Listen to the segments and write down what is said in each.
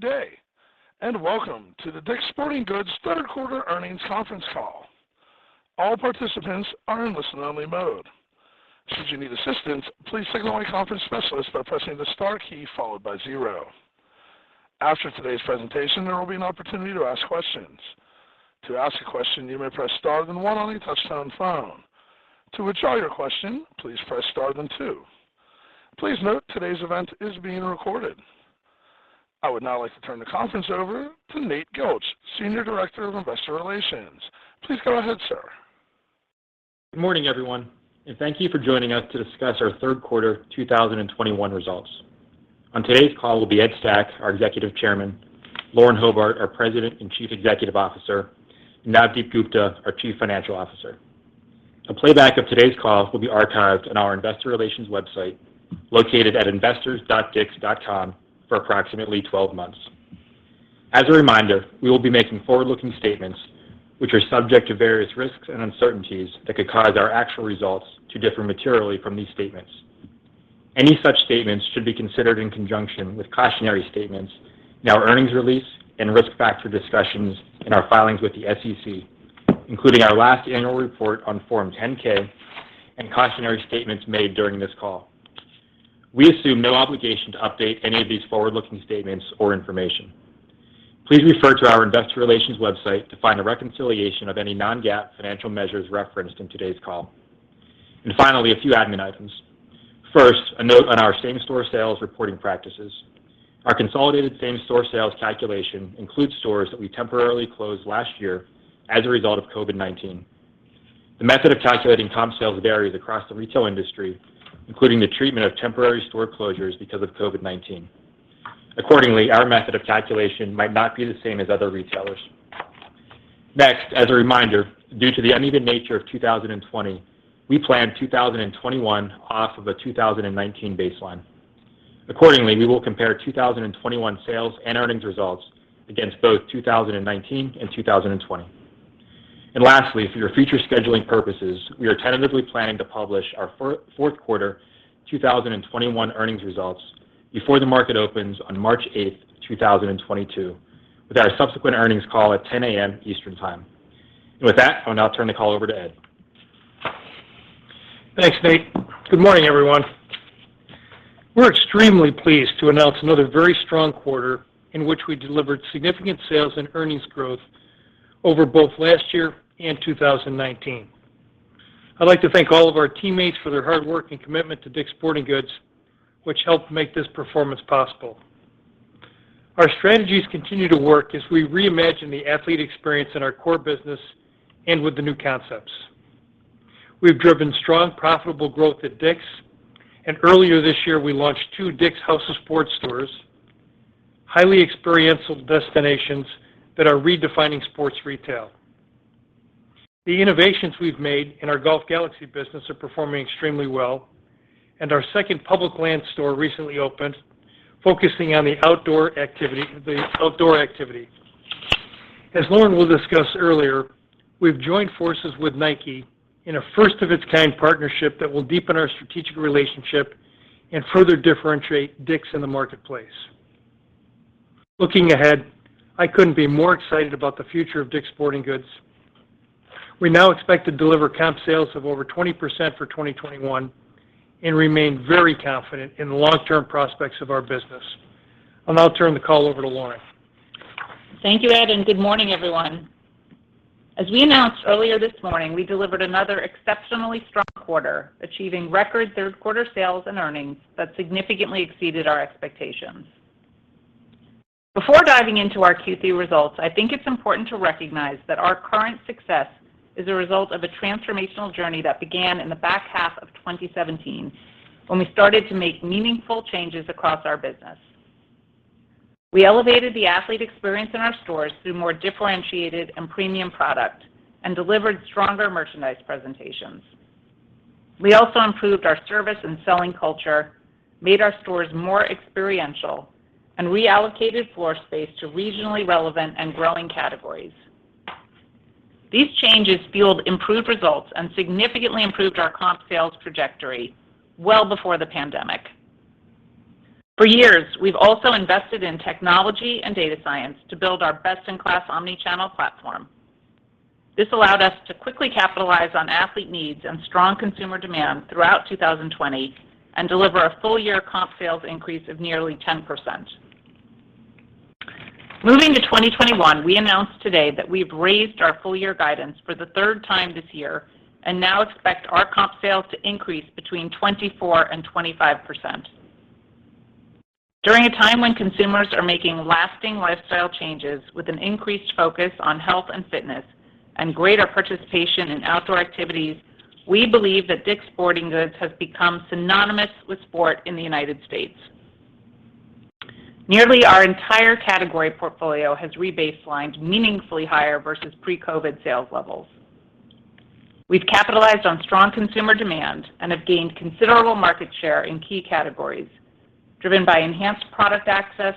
Good day, and welcome to the DICK'S Sporting Goods third quarter earnings conference call. All participants are in listen-only mode. Should you need assistance, please signal any conference specialist by pressing the star key followed by zero. After today's presentation, there will be an opportunity to ask questions. To ask a question, you may press star then one on your touch-tone phone. To withdraw your question, please press star then two. Please note today's event is being recorded. I would now like to turn the conference over to Nate Gilch, Senior Director of Investor Relations. Please go ahead, sir. Good morning, everyone, and thank you for joining us to discuss our third quarter 2021 results. On today's call will be Ed Stack, our Executive Chairman, Lauren Hobart, our President and Chief Executive Officer, and Navdeep Gupta, our Chief Financial Officer. A playback of today's call will be archived on our investor relations website located at investors.dicks.com for approximately 12 months. As a reminder, we will be making forward-looking statements which are subject to various risks and uncertainties that could cause our actual results to differ materially from these statements. Any such statements should be considered in conjunction with cautionary statements in our earnings release and risk factor discussions in our filings with the SEC, including our last annual report on Form 10-K and cautionary statements made during this call. We assume no obligation to update any of these forward-looking statements or information. Please refer to our investor relations website to find a reconciliation of any non-GAAP financial measures referenced in today's call. Finally, a few admin items. First, a note on our same-store sales reporting practices. Our consolidated same-store sales calculation includes stores that we temporarily closed last year as a result of COVID-19. The method of calculating comp sales varies across the retail industry, including the treatment of temporary store closures because of COVID-19. Accordingly, our method of calculation might not be the same as other retailers. Next, as a reminder, due to the uneven nature of 2020, we plan 2021 off of a 2019 baseline. Accordingly, we will compare 2021 sales and earnings results against both 2019 and 2020. Lastly, for your future scheduling purposes, we are tentatively planning to publish our fourth quarter 2021 earnings results before the market opens on March 8, 2022, with our subsequent earnings call at 10:00 A.M. Eastern Time. With that, I'll now turn the call over to Ed. Thanks, Nate. Good morning, everyone. We're extremely pleased to announce another very strong quarter in which we delivered significant sales and earnings growth over both last year and 2019. I'd like to thank all of our teammates for their hard work and commitment to DICK'S Sporting Goods, which helped make this performance possible. Our strategies continue to work as we reimagine the athlete experience in our core business and with the new concepts. We've driven strong, profitable growth at DICK'S, and earlier this year, we launched two DICK'S House of Sport stores, highly experiential destinations that are redefining sports retail. The innovations we've made in our Golf Galaxy business are performing extremely well, and our second Public Lands store recently opened, focusing on the outdoor activity. As Lauren will discuss earlier, we've joined forces with Nike in a first of its kind partnership that will deepen our strategic relationship and further differentiate DICK'S in the marketplace. Looking ahead, I couldn't be more excited about the future of DICK'S Sporting Goods. We now expect to deliver comp sales of over 20% for 2021 and remain very confident in the long-term prospects of our business. I'll now turn the call over to Lauren. Thank you, Ed, and good morning, everyone. As we announced earlier this morning, we delivered another exceptionally strong quarter, achieving record third quarter sales and earnings that significantly exceeded our expectations. Before diving into our Q3 results, I think it's important to recognize that our current success is a result of a transformational journey that began in the back half of 2017 when we started to make meaningful changes across our business. We elevated the athlete experience in our stores through more differentiated and premium product and delivered stronger merchandise presentations. We also improved our service and selling culture, made our stores more experiential, and reallocated floor space to regionally relevant and growing categories. These changes fueled improved results and significantly improved our comp sales trajectory well before the pandemic. For years, we've also invested in technology and data science to build our best-in-class omni-channel platform. This allowed us to quickly capitalize on athlete needs and strong consumer demand throughout 2020 and deliver a full year comp sales increase of nearly 10%. Moving to 2021, we announced today that we've raised our full year guidance for the third time this year and now expect our comp sales to increase between 24% and 25%. During a time when consumers are making lasting lifestyle changes with an increased focus on health and fitness and greater participation in outdoor activities, we believe that DICK'S Sporting Goods has become synonymous with sport in the United States. Nearly our entire category portfolio has re-baselined meaningfully higher versus pre-COVID sales levels. We've capitalized on strong consumer demand and have gained considerable market share in key categories driven by enhanced product access,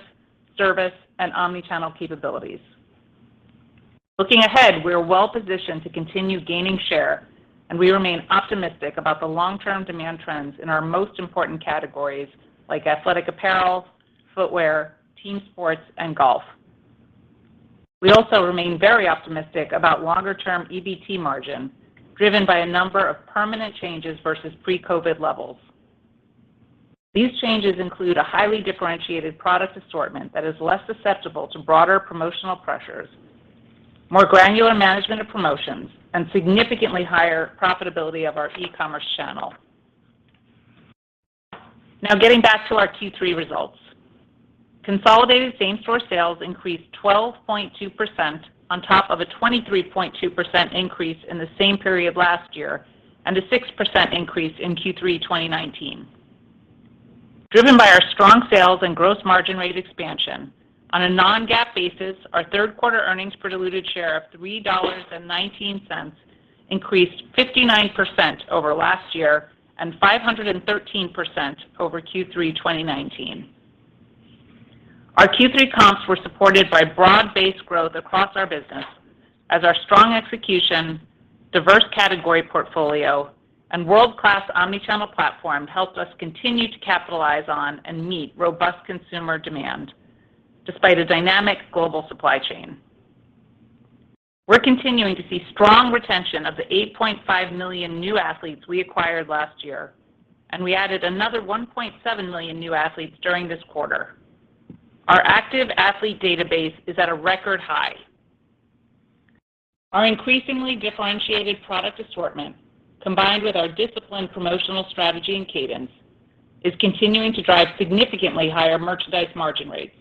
service, and omni-channel capabilities. Looking ahead, we are well positioned to continue gaining share, and we remain optimistic about the long-term demand trends in our most important categories like athletic apparel, footwear, team sports, and golf. We also remain very optimistic about longer-term EBT margin, driven by a number of permanent changes versus pre-COVID levels. These changes include a highly differentiated product assortment that is less susceptible to broader promotional pressures, more granular management of promotions, and significantly higher profitability of our e-commerce channel. Now, getting back to our Q3 results. Consolidated same-store sales increased 12.2% on top of a 23.2% increase in the same period last year and a 6% increase in Q3 2019. Driven by our strong sales and gross margin rate expansion, on a non-GAAP basis, our third quarter earnings per diluted share of $3.19 increased 59% over last year and 513% over Q3 2019. Our Q3 comps were supported by broad-based growth across our business as our strong execution, diverse category portfolio, and world-class omni-channel platform helped us continue to capitalize on and meet robust consumer demand despite a dynamic global supply chain. We're continuing to see strong retention of the 8.5 million new athletes we acquired last year, and we added another 1.7 million new athletes during this quarter. Our active athlete database is at a record high. Our increasingly differentiated product assortment, combined with our disciplined promotional strategy and cadence, is continuing to drive significantly higher merchandise margin rates.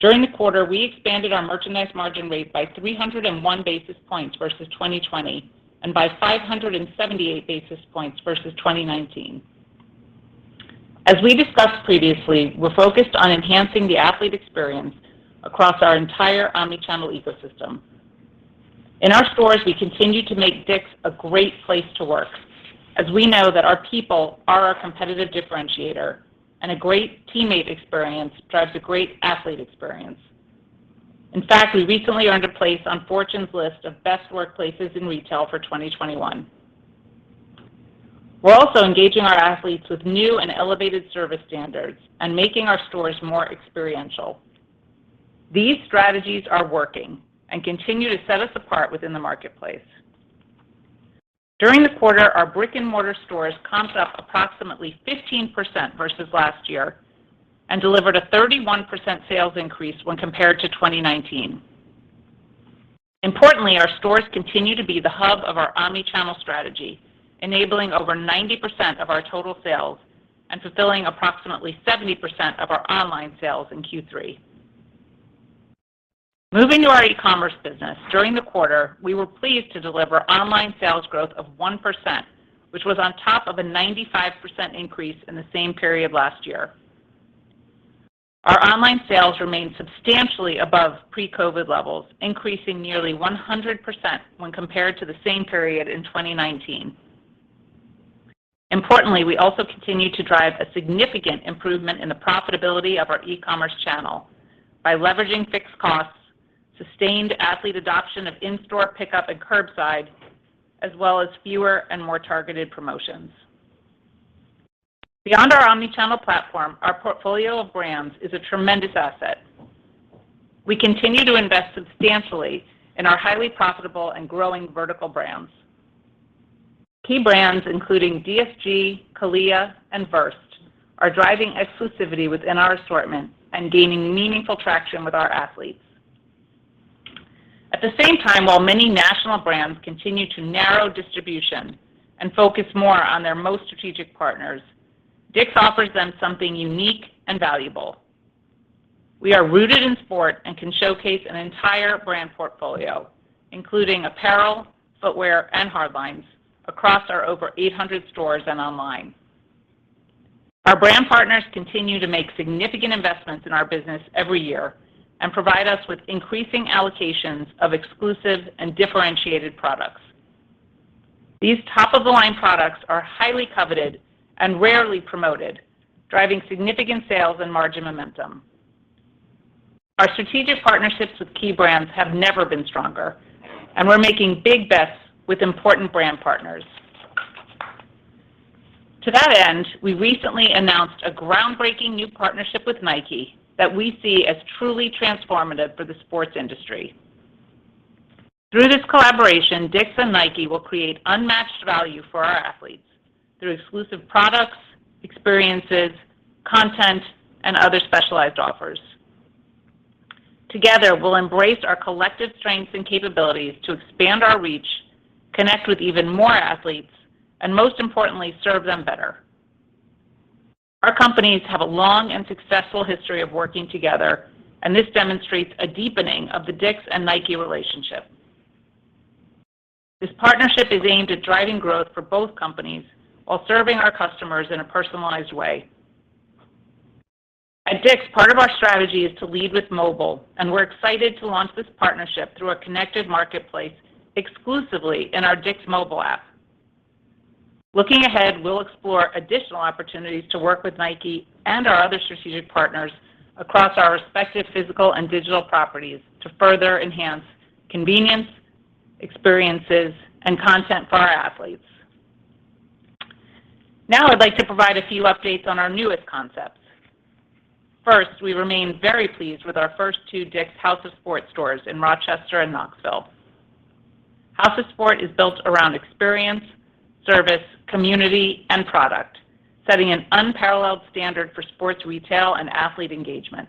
During the quarter, we expanded our merchandise margin rate by 301 basis points versus 2020 and by 578 basis points versus 2019. As we discussed previously, we're focused on enhancing the athlete experience across our entire omni-channel ecosystem. In our stores, we continue to make DICK'S a great place to work, as we know that our people are our competitive differentiator and a great teammate experience drives a great athlete experience. In fact, we recently earned a place on Fortune's list of Best Workplaces in Retail for 2021. We're also engaging our athletes with new and elevated service standards and making our stores more experiential. These strategies are working and continue to set us apart within the marketplace. During the quarter, our brick-and-mortar stores comped up approximately 15% versus last year and delivered a 31% sales increase when compared to 2019. Importantly, our stores continue to be the hub of our omni-channel strategy, enabling over 90% of our total sales and fulfilling approximately 70% of our online sales in Q3. Moving to our e-commerce business, during the quarter, we were pleased to deliver online sales growth of 1%, which was on top of a 95% increase in the same period last year. Our online sales remain substantially above pre-COVID levels, increasing nearly 100% when compared to the same period in 2019. Importantly, we also continue to drive a significant improvement in the profitability of our e-commerce channel by leveraging fixed costs, sustained athlete adoption of in-store pickup and curbside, as well as fewer and more targeted promotions. Beyond our omni-channel platform, our portfolio of brands is a tremendous asset. We continue to invest substantially in our highly profitable and growing vertical brands. Key brands, including DSG, CALIA, and VRST, are driving exclusivity within our assortment and gaining meaningful traction with our athletes. At the same time, while many national brands continue to narrow distribution and focus more on their most strategic partners, DICK'S offers them something unique and valuable. We are rooted in sport and can showcase an entire brand portfolio, including apparel, footwear, and hard lines across our over 800 stores and online. Our brand partners continue to make significant investments in our business every year and provide us with increasing allocations of exclusive and differentiated products. These top-of-the-line products are highly coveted and rarely promoted, driving significant sales and margin momentum. Our strategic partnerships with key brands have never been stronger, and we're making big bets with important brand partners. To that end, we recently announced a groundbreaking new partnership with Nike that we see as truly transformative for the sports industry. Through this collaboration, DICK'S and Nike will create unmatched value for our athletes through exclusive products, experiences, content, and other specialized offers. Together, we'll embrace our collective strengths and capabilities to expand our reach, connect with even more athletes, and most importantly, serve them better. Our companies have a long and successful history of working together, and this demonstrates a deepening of the DICK'S and Nike relationship. This partnership is aimed at driving growth for both companies while serving our customers in a personalized way. At DICK'S, part of our strategy is to lead with mobile, and we're excited to launch this partnership through a connected marketplace exclusively in our DICK'S mobile app. Looking ahead, we'll explore additional opportunities to work with Nike and our other strategic partners across our respective physical and digital properties to further enhance convenience, experiences, and content for our athletes. Now I'd like to provide a few updates on our newest concepts. First, we remain very pleased with our first two DICK'S House of Sport stores in Rochester and Knoxville. House of Sport is built around experience, service, community, and product, setting an unparalleled standard for sports retail and athlete engagement.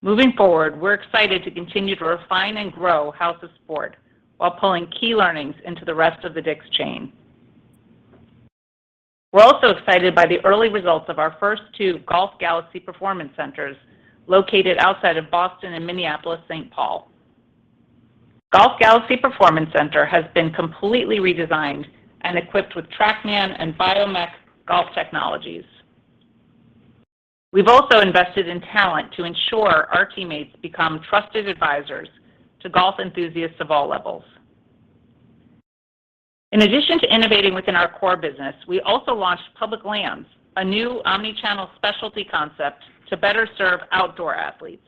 Moving forward, we're excited to continue to refine and grow House of Sport while pulling key learnings into the rest of the DICK'S chain. We're also excited by the early results of our first two Golf Galaxy Performance Centers located outside of Boston and Minneapolis-Saint Paul. Golf Galaxy Performance Center has been completely redesigned and equipped with TrackMan and BioMech golf technologies. We've also invested in talent to ensure our teammates become trusted advisors to golf enthusiasts of all levels. In addition to innovating within our core business, we also launched Public Lands, a new omni-channel specialty concept to better serve outdoor athletes.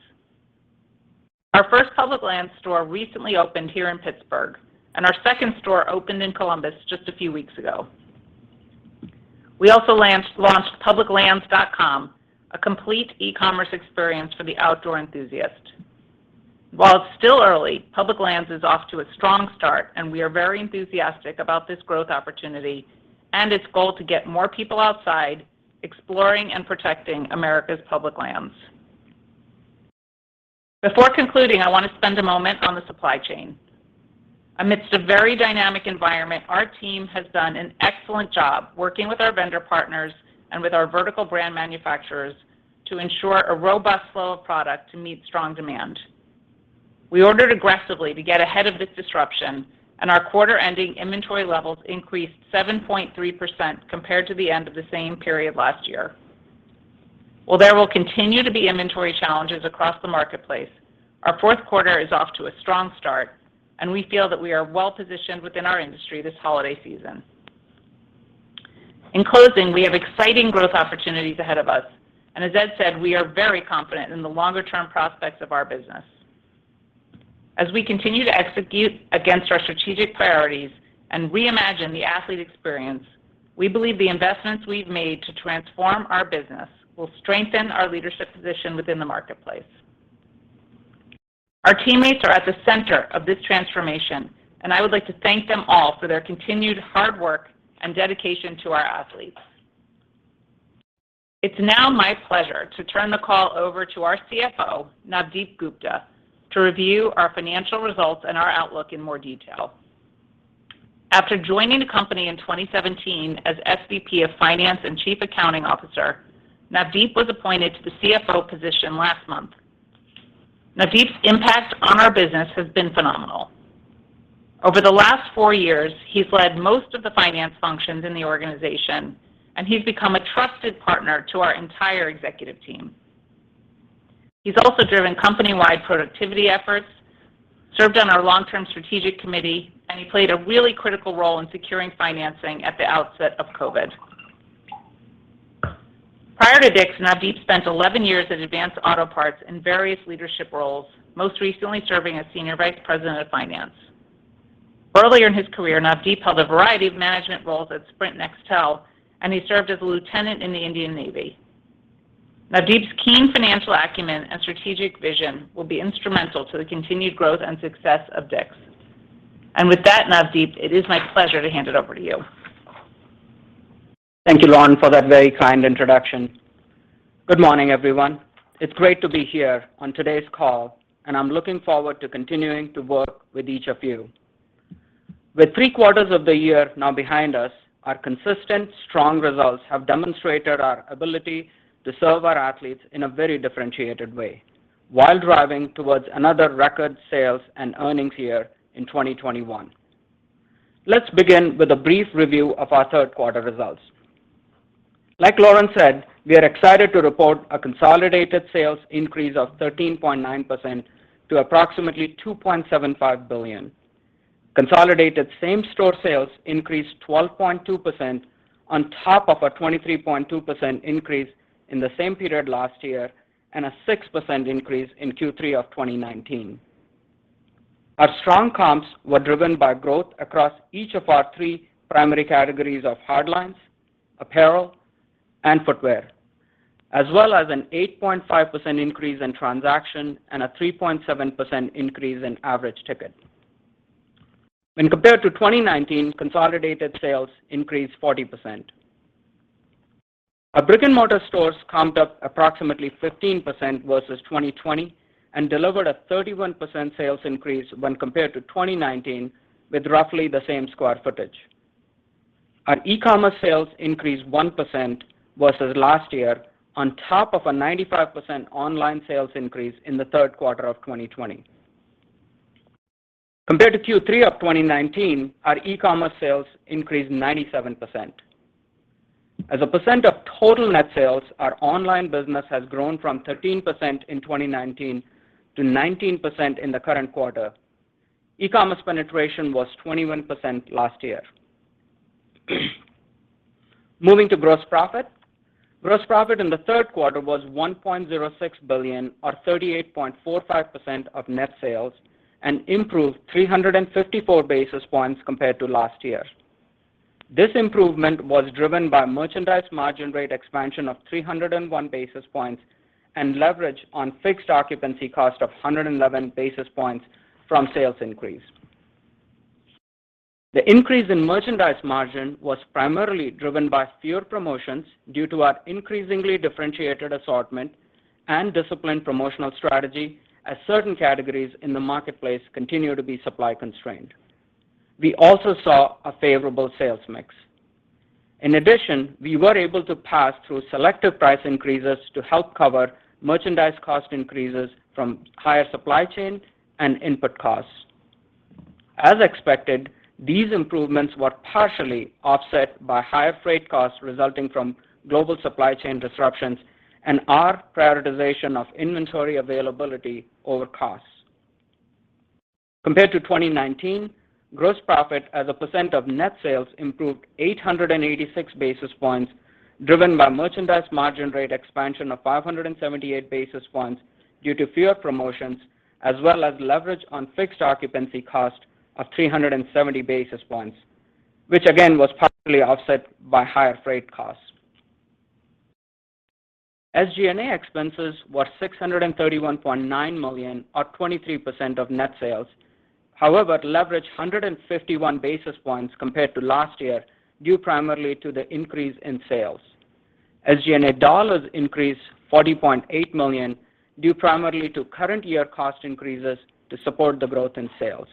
Our first Public Lands store recently opened here in Pittsburgh, and our second store opened in Columbus just a few weeks ago. We also launched publiclands.com, a complete e-commerce experience for the outdoor enthusiast. While it's still early, Public Lands is off to a strong start, and we are very enthusiastic about this growth opportunity and its goal to get more people outside, exploring and protecting America's public lands. Before concluding, I want to spend a moment on the supply chain. Amidst a very dynamic environment, our team has done an excellent job working with our vendor partners and with our vertical brand manufacturers to ensure a robust flow of product to meet strong demand. We ordered aggressively to get ahead of this disruption, and our quarter-ending inventory levels increased 7.3% compared to the end of the same period last year. While there will continue to be inventory challenges across the marketplace, our fourth quarter is off to a strong start, and we feel that we are well-positioned within our industry this holiday season. In closing, we have exciting growth opportunities ahead of us, and as Ed said, we are very confident in the longer-term prospects of our business. As we continue to execute against our strategic priorities and reimagine the athlete experience, we believe the investments we've made to transform our business will strengthen our leadership position within the marketplace. Our teammates are at the center of this transformation, and I would like to thank them all for their continued hard work and dedication to our athletes. It's now my pleasure to turn the call over to our CFO, Navdeep Gupta, to review our financial results and our outlook in more detail. After joining the company in 2017 as SVP of Finance and Chief Accounting Officer, Navdeep was appointed to the CFO position last month. Navdeep's impact on our business has been phenomenal. Over the last four years, he's led most of the finance functions in the organization, and he's become a trusted partner to our entire executive team. He's also driven company-wide productivity efforts, served on our long-term strategic committee, and he played a really critical role in securing financing at the outset of COVID. Prior to DICK'S, Navdeep spent 11 years at Advance Auto Parts in various leadership roles, most recently serving as Senior Vice President of Finance. Earlier in his career, Navdeep held a variety of management roles at Sprint Nextel, and he served as a lieutenant in the Indian Navy. Navdeep's keen financial acumen and strategic vision will be instrumental to the continued growth and success of DICK'S. With that, Navdeep, it is my pleasure to hand it over to you. Thank you, Lauren, for that very kind introduction. Good morning, everyone. It's great to be here on today's call, and I'm looking forward to continuing to work with each of you. With three quarters of the year now behind us, our consistent, strong results have demonstrated our ability to serve our athletes in a very differentiated way while driving towards another record sales and earnings year in 2021. Let's begin with a brief review of our third quarter results. Like Lauren said, we are excited to report a consolidated sales increase of 13.9% to approximately $2.75 billion. Consolidated same-store sales increased 12.2% on top of a 23.2% increase in the same period last year and a 6% increase in Q3 of 2019. Our strong comps were driven by growth across each of our three primary categories of hard lines, apparel, and footwear, as well as an 8.5% increase in transaction and a 3.7% increase in average ticket. When compared to 2019, consolidated sales increased 40%. Our brick-and-mortar stores comped up approximately 15% versus 2020 and delivered a 31% sales increase when compared to 2019 with roughly the same square footage. Our e-commerce sales increased 1% versus last year on top of a 95% online sales increase in the third quarter of 2020. Compared to Q3 of 2019, our e-commerce sales increased 97%. As a percent of total net sales, our online business has grown from 13% in 2019 to 19% in the current quarter. E-commerce penetration was 21% last year. Moving to gross profit. Gross profit in the third quarter was $1.06 billion or 38.45% of net sales and improved 354 basis points compared to last year. This improvement was driven by merchandise margin rate expansion of 301 basis points and leverage on fixed occupancy cost of 111 basis points from sales increase. The increase in merchandise margin was primarily driven by fewer promotions due to our increasingly differentiated assortment and disciplined promotional strategy as certain categories in the marketplace continue to be supply constrained. We also saw a favorable sales mix. In addition, we were able to pass through selective price increases to help cover merchandise cost increases from higher supply chain and input costs. As expected, these improvements were partially offset by higher freight costs resulting from global supply chain disruptions and our prioritization of inventory availability over costs. Compared to 2019, gross profit as a percent of net sales improved 886 basis points, driven by merchandise margin rate expansion of 578 basis points due to fewer promotions, as well as leverage on fixed occupancy cost of 370 basis points, which again was partially offset by higher freight costs. SG&A expenses were $631.9 million or 23% of net sales, however, leveraged 151 basis points compared to last year due primarily to the increase in sales. SG&A dollars increased $40.8 million due primarily to current year cost increases to support the growth in sales.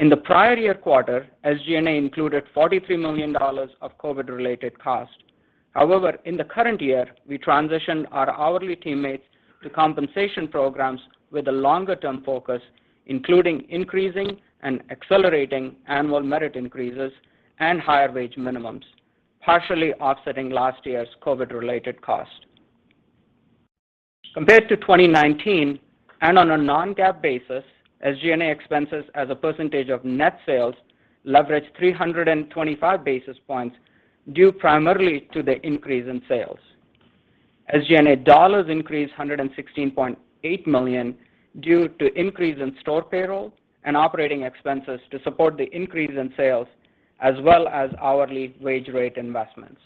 In the prior year quarter, SG&A included $43 million of COVID-related costs. However, in the current year, we transitioned our hourly teammates to compensation programs with a longer-term focus, including increasing and accelerating annual merit increases and higher wage minimums, partially offsetting last year's COVID-related costs. Compared to 2019 and on a non-GAAP basis, SG&A expenses as a percentage of net sales leveraged 325 basis points due primarily to the increase in sales. SG&A dollars increased $116.8 million due to increase in store payroll and operating expenses to support the increase in sales as well as hourly wage rate investments.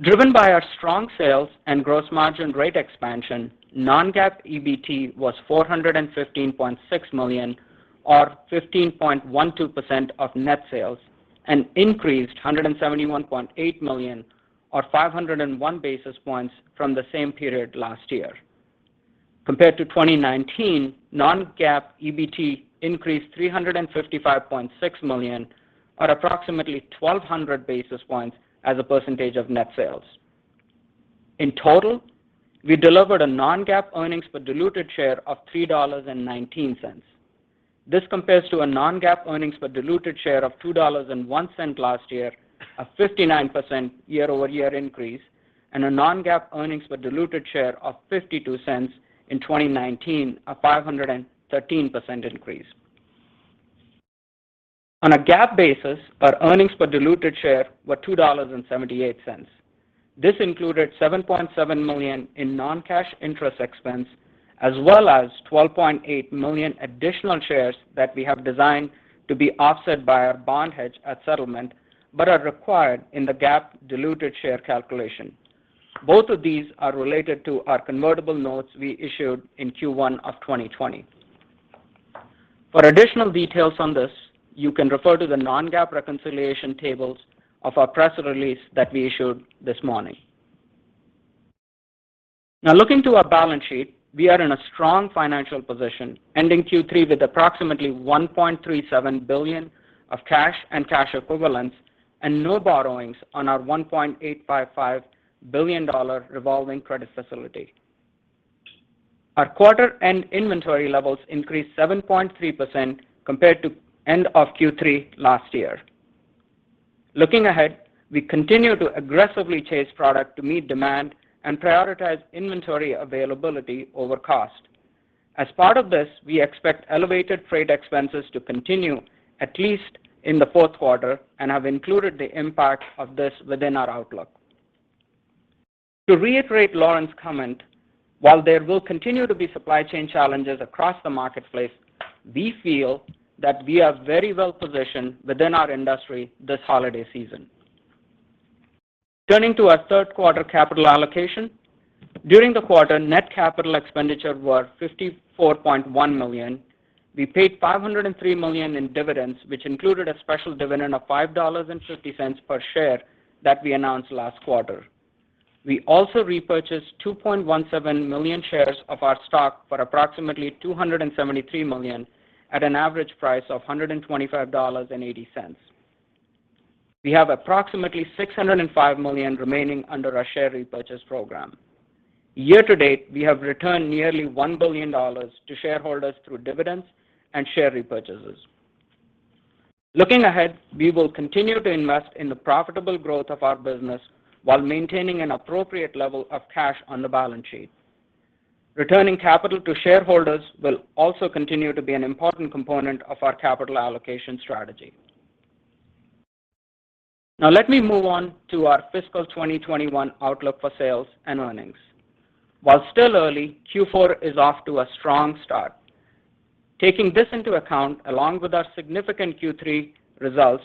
Driven by our strong sales and gross margin rate expansion, non-GAAP EBT was $415.6 million or 15.12% of net sales and increased $171.8 million or 501 basis points from the same period last year. Compared to 2019, non-GAAP EBT increased $355.6 million or approximately 1,200 basis points as a percentage of net sales. In total, we delivered a non-GAAP earnings per diluted share of $3.19. This compares to a non-GAAP earnings per diluted share of $2.01 last year, a 59% year-over-year increase, and a non-GAAP earnings per diluted share of $0.52 in 2019, a 513% increase. On a GAAP basis, our earnings per diluted share were $2.78. This included $7.7 million in non-cash interest expense, as well as 12.8 million additional shares that we have designed to be offset by our bond hedge at settlement, but are required in the GAAP diluted share calculation. Both of these are related to our convertible notes we issued in Q1 of 2020. For additional details on this, you can refer to the non-GAAP reconciliation tables of our press release that we issued this morning. Now looking to our balance sheet, we are in a strong financial position, ending Q3 with approximately $1.37 billion of cash and cash equivalents and no borrowings on our $1.855 billion revolving credit facility. Our quarter-end inventory levels increased 7.3% compared to end of Q3 last year. Looking ahead, we continue to aggressively chase product to meet demand and prioritize inventory availability over cost. As part of this, we expect elevated freight expenses to continue at least in the fourth quarter and have included the impact of this within our outlook. To reiterate Lauren's comment, while there will continue to be supply chain challenges across the marketplace, we feel that we are very well positioned within our industry this holiday season. Turning to our third quarter capital allocation, during the quarter, net capital expenditure was $54.1 million. We paid $503 million in dividends, which included a special dividend of $5.50 per share that we announced last quarter. We also repurchased 2.17 million shares of our stock for approximately $273 million at an average price of $125.80. We have approximately $605 million remaining under our share repurchase program. Year-to-date, we have returned nearly $1 billion to shareholders through dividends and share repurchases. Looking ahead, we will continue to invest in the profitable growth of our business while maintaining an appropriate level of cash on the balance sheet. Returning capital to shareholders will also continue to be an important component of our capital allocation strategy. Now let me move on to our fiscal 2021 outlook for sales and earnings. While still early, Q4 is off to a strong start. Taking this into account, along with our significant Q3 results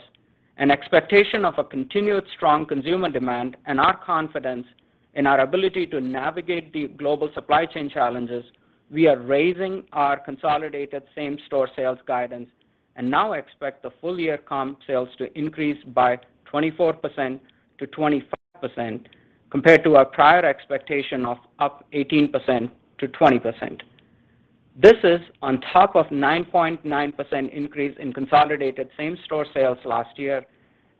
and expectation of a continued strong consumer demand and our confidence in our ability to navigate the global supply chain challenges, we are raising our consolidated same-store sales guidance and now expect the full year comp sales to increase by 24%-25% compared to our prior expectation of up 18%-20%. This is on top of 9.9% increase in consolidated same-store sales last year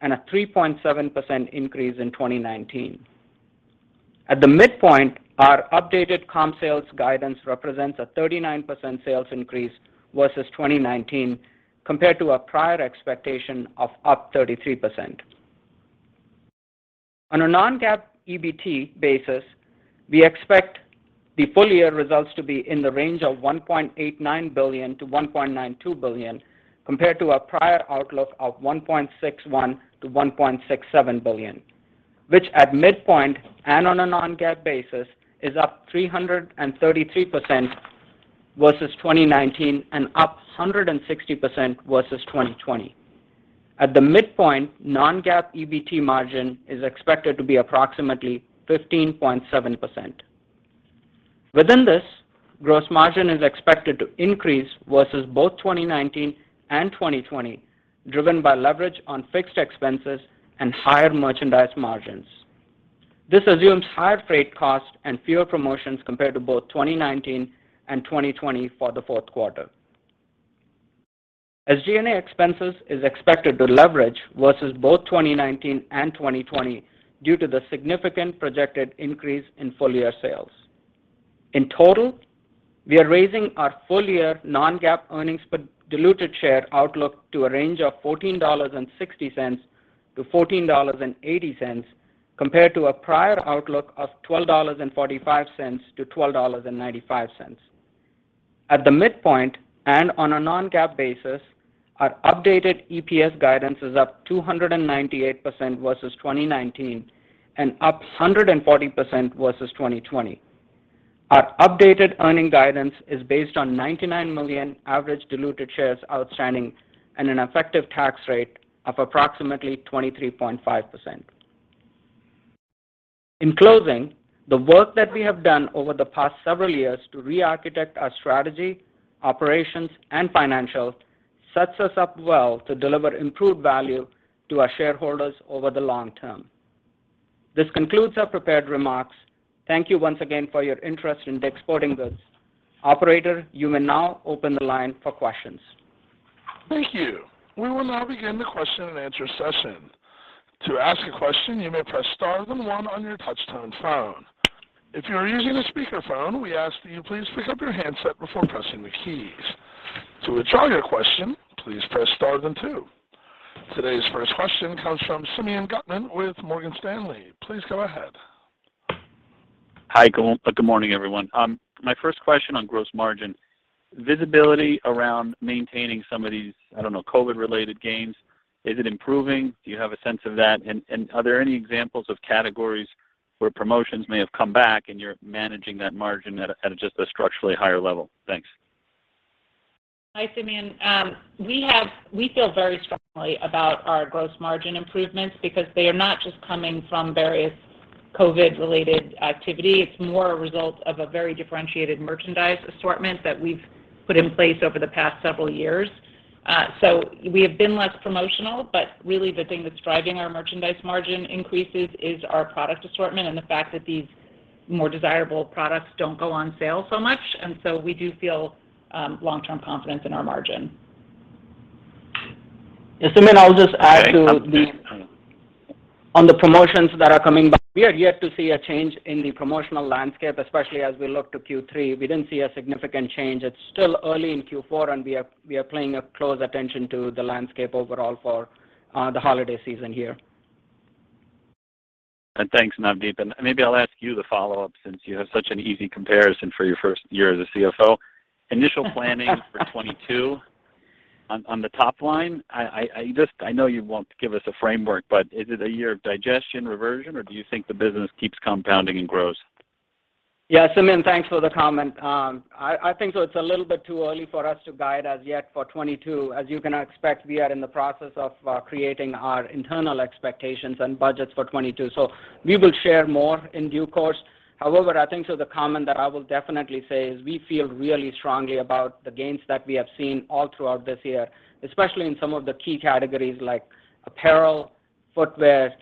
and a 3.7% increase in 2019. At the midpoint, our updated comp sales guidance represents a 39% sales increase versus 2019 compared to our prior expectation of up 33%. On a non-GAAP EBT basis, we expect the full year results to be in the range of $1.89 billion-$1.92 billion, compared to our prior outlook of $1.61 billion-$1.67 billion, which at midpoint and on a non-GAAP basis is up 333% versus 2019 and up 160% versus 2020. At the midpoint, non-GAAP EBT margin is expected to be approximately 15.7%. Within this, gross margin is expected to increase versus both 2019 and 2020, driven by leverage on fixed expenses and higher merchandise margins. This assumes higher freight costs and fewer promotions compared to both 2019 and 2020 for the fourth quarter. SG&A expenses are expected to leverage versus both 2019 and 2020 due to the significant projected increase in full-year sales. In total, we are raising our full-year non-GAAP earnings per diluted share outlook to a range of $14.60-$14.80, compared to a prior outlook of $12.45-$12.95. At the midpoint and on a non-GAAP basis, our updated EPS guidance is up 298% versus 2019 and up 140% versus 2020. Our updated earnings guidance is based on 99 million average diluted shares outstanding and an effective tax rate of approximately 23.5%. In closing, the work that we have done over the past several years to re-architect our strategy, operations, and financial sets us up well to deliver improved value to our shareholders over the long term. This concludes our prepared remarks. Thank you once again for your interest in DICK'S Sporting Goods. Operator, you may now open the line for questions. Thank you. We will now begin the question and answer session. To ask a question, you may press star then one on your touch-tone phone. If you are using a speakerphone, we ask that you please pick up your handset before pressing the keys. To withdraw your question, please press star then two. Today's first question comes from Simeon Gutman with Morgan Stanley. Please go ahead. Hi, good morning, everyone. My first question on gross margin. Visibility around maintaining some of these, I don't know, COVID-related gains, is it improving? Do you have a sense of that? And are there any examples of categories where promotions may have come back and you're managing that margin at a structurally higher level? Thanks. Hi, Simeon. We feel very strongly about our gross margin improvements because they are not just coming from various COVID-related activity. It's more a result of a very differentiated merchandise assortment that we've put in place over the past several years. We have been less promotional, but really the thing that's driving our merchandise margin increases is our product assortment and the fact that these more desirable products don't go on sale so much. We do feel long-term confidence in our margin. Simeon, I'll just add to the. Okay. On the promotions that are coming back, we are yet to see a change in the promotional landscape, especially as we look to Q3. We didn't see a significant change. It's still early in Q4, and we are paying close attention to the landscape overall for the holiday season here. Thanks, Navdeep. Maybe I'll ask you the follow-up, since you have such an easy comparison for your first year as a CFO. Initial planning for 2022 on the top line, I just know you won't give us a framework, but is it a year of digestion reversion, or do you think the business keeps compounding and grows? Yeah, Simeon, thanks for the comment. I think so it's a little bit too early for us to guide as yet for 2022. As you can expect, we are in the process of creating our internal expectations and budgets for 2022. We will share more in due course. However, I think so the comment that I will definitely say is we feel really strongly about the gains that we have seen all throughout this year, especially in some of the key categories like apparel, footwear,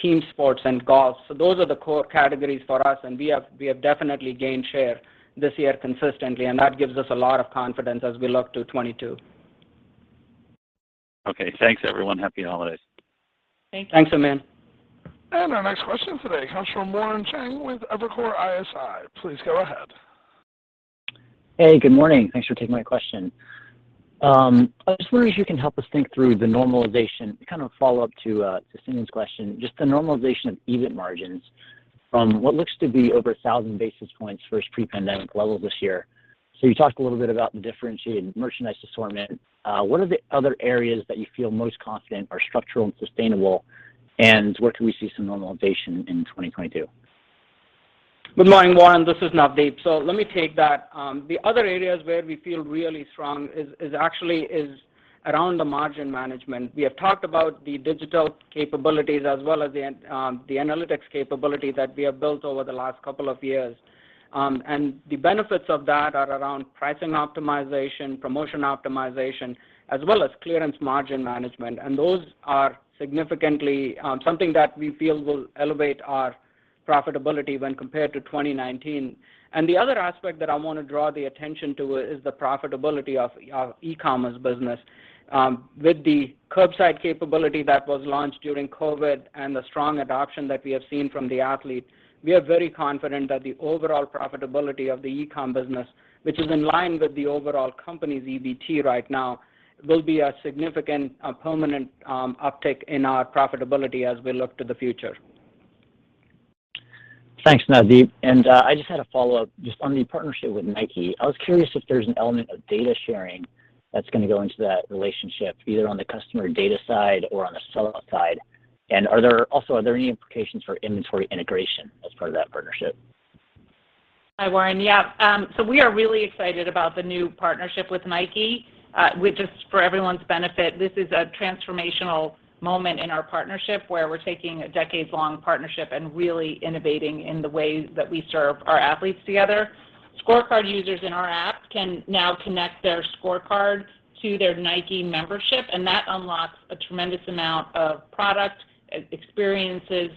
team sports, and golf. Those are the core categories for us, and we have definitely gained share this year consistently, and that gives us a lot of confidence as we look to 2022. Okay, thanks everyone. Happy holidays. Thanks. Thanks, Aman. Our next question today comes from Warren Cheng with Evercore ISI. Please go ahead. Hey, good morning. Thanks for taking my question. I was wondering if you can help us think through the normalization, kind of a follow-up to Simeon's question, just the normalization of EBIT margins from what looks to be over 1,000 basis points versus pre-pandemic levels this year. You talked a little bit about the differentiated merchandise assortment. What are the other areas that you feel most confident are structural and sustainable, and where can we see some normalization in 2022? Good morning, Warren. This is Navdeep. Let me take that. The other areas where we feel really strong is actually around the margin management. We have talked about the digital capabilities as well as the analytics capability that we have built over the last couple of years. The benefits of that are around pricing optimization, promotion optimization, as well as clearance margin management. Those are significantly something that we feel will elevate our profitability when compared to 2019. The other aspect that I wanna draw the attention to is the profitability of our e-commerce business. With the curbside capability that was launched during COVID and the strong adoption that we have seen from the athlete, we are very confident that the overall profitability of the e-com business, which is in line with the overall company's EBT right now, will be a significant, a permanent, uptick in our profitability as we look to the future. Thanks, Navdeep. I just had a follow-up just on the partnership with Nike. I was curious if there's an element of data sharing that's gonna go into that relationship, either on the customer data side or on the seller side. Are there any implications for inventory integration as part of that partnership? Hi, Warren. Yeah. We are really excited about the new partnership with Nike, which is, for everyone's benefit, this is a transformational moment in our partnership where we're taking a decades-long partnership and really innovating in the way that we serve our athletes together. ScoreCard users in our app can now connect their ScoreCard to their Nike Membership, and that unlocks a tremendous amount of product, experiences,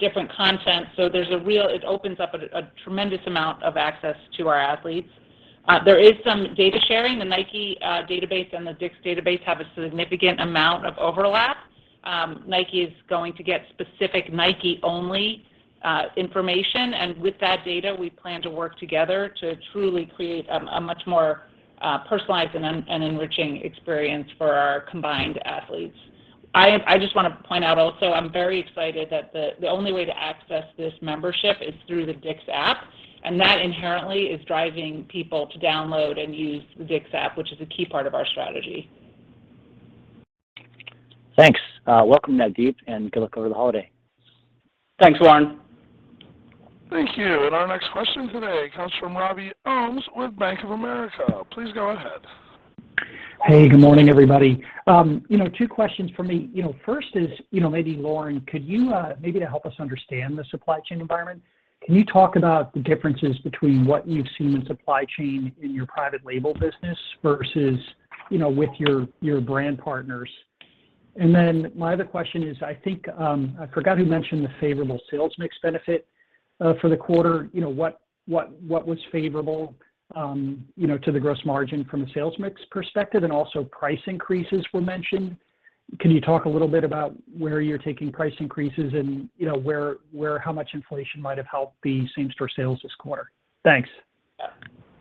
different content. It opens up a tremendous amount of access to our athletes. There is some data sharing. The Nike database and the DICK'S database have a significant amount of overlap. Nike is going to get specific Nike-only information, and with that data, we plan to work together to truly create a much more personalized and enriching experience for our combined athletes. I just wanna point out also, I'm very excited that the only way to access this membership is through the DICK'S app, and that inherently is driving people to download and use the DICK'S app, which is a key part of our strategy. Thanks. Welcome Navdeep, and good luck over the holiday. Thanks, Warren. Thank you. Our next question today comes from Robert Ohmes with Bank of America. Please go ahead. Hey, good morning, everybody. You know, two questions from me. You know, first is, you know, maybe Lauren, could you, maybe to help us understand the supply chain environment, can you talk about the differences between what you've seen in supply chain in your private label business versus, you know, with your brand partners? My other question is, I think, I forgot who mentioned the favorable sales mix benefit, for the quarter. You know, what was favorable, you know, to the gross margin from a sales mix perspective, and also price increases were mentioned. Can you talk a little bit about where you're taking price increases and, you know, where how much inflation might have helped the same-store sales this quarter? Thanks.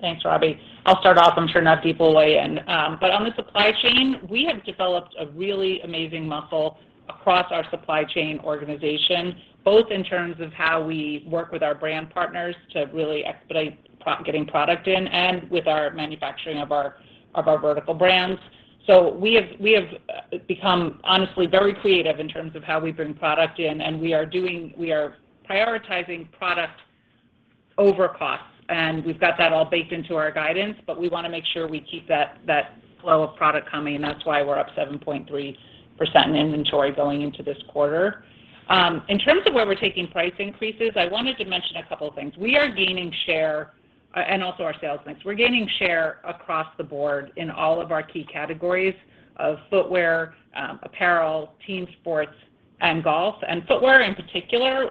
Thanks, Robbie. I'll start off, I'm sure Navdeep will weigh in. On the supply chain, we have developed a really amazing muscle across our supply chain organization, both in terms of how we work with our brand partners to really expedite getting product in and with our manufacturing of our vertical brands. We have become honestly very creative in terms of how we bring product in, and we are prioritizing product over costs, and we've got that all baked into our guidance, but we wanna make sure we keep that flow of product coming, and that's why we're up 7.3% in inventory going into this quarter. In terms of where we're taking price increases, I wanted to mention a couple of things. We are gaining share, and also our sales mix. We're gaining share across the board in all of our key categories of footwear, apparel, team sports, and golf. Footwear in particular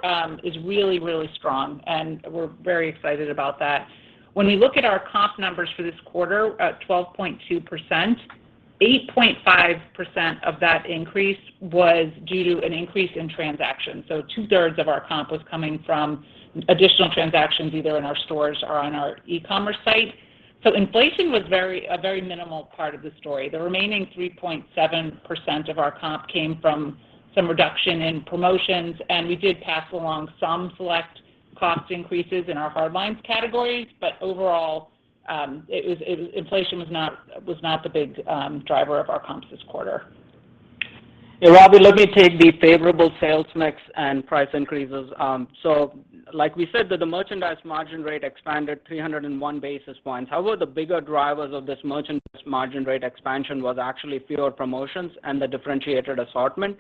is really, really strong, and we're very excited about that. When we look at our comp numbers for this quarter at 12.2%, 8.5% of that increase was due to an increase in transactions. Two-thirds of our comp was coming from additional transactions either in our stores or on our e-commerce site. Inflation was very, a very minimal part of the story. The remaining 3.7% of our comp came from some reduction in promotions, and we did pass along some select cost increases in our hard lines categories, but overall, it was. Inflation was not the big driver of our comps this quarter. Yeah, Robbie, let me take the favorable sales mix and price increases. So like we said that the merchandise margin rate expanded 301 basis points. However, the bigger drivers of this merchandise margin rate expansion was actually fewer promotions and the differentiated assortment.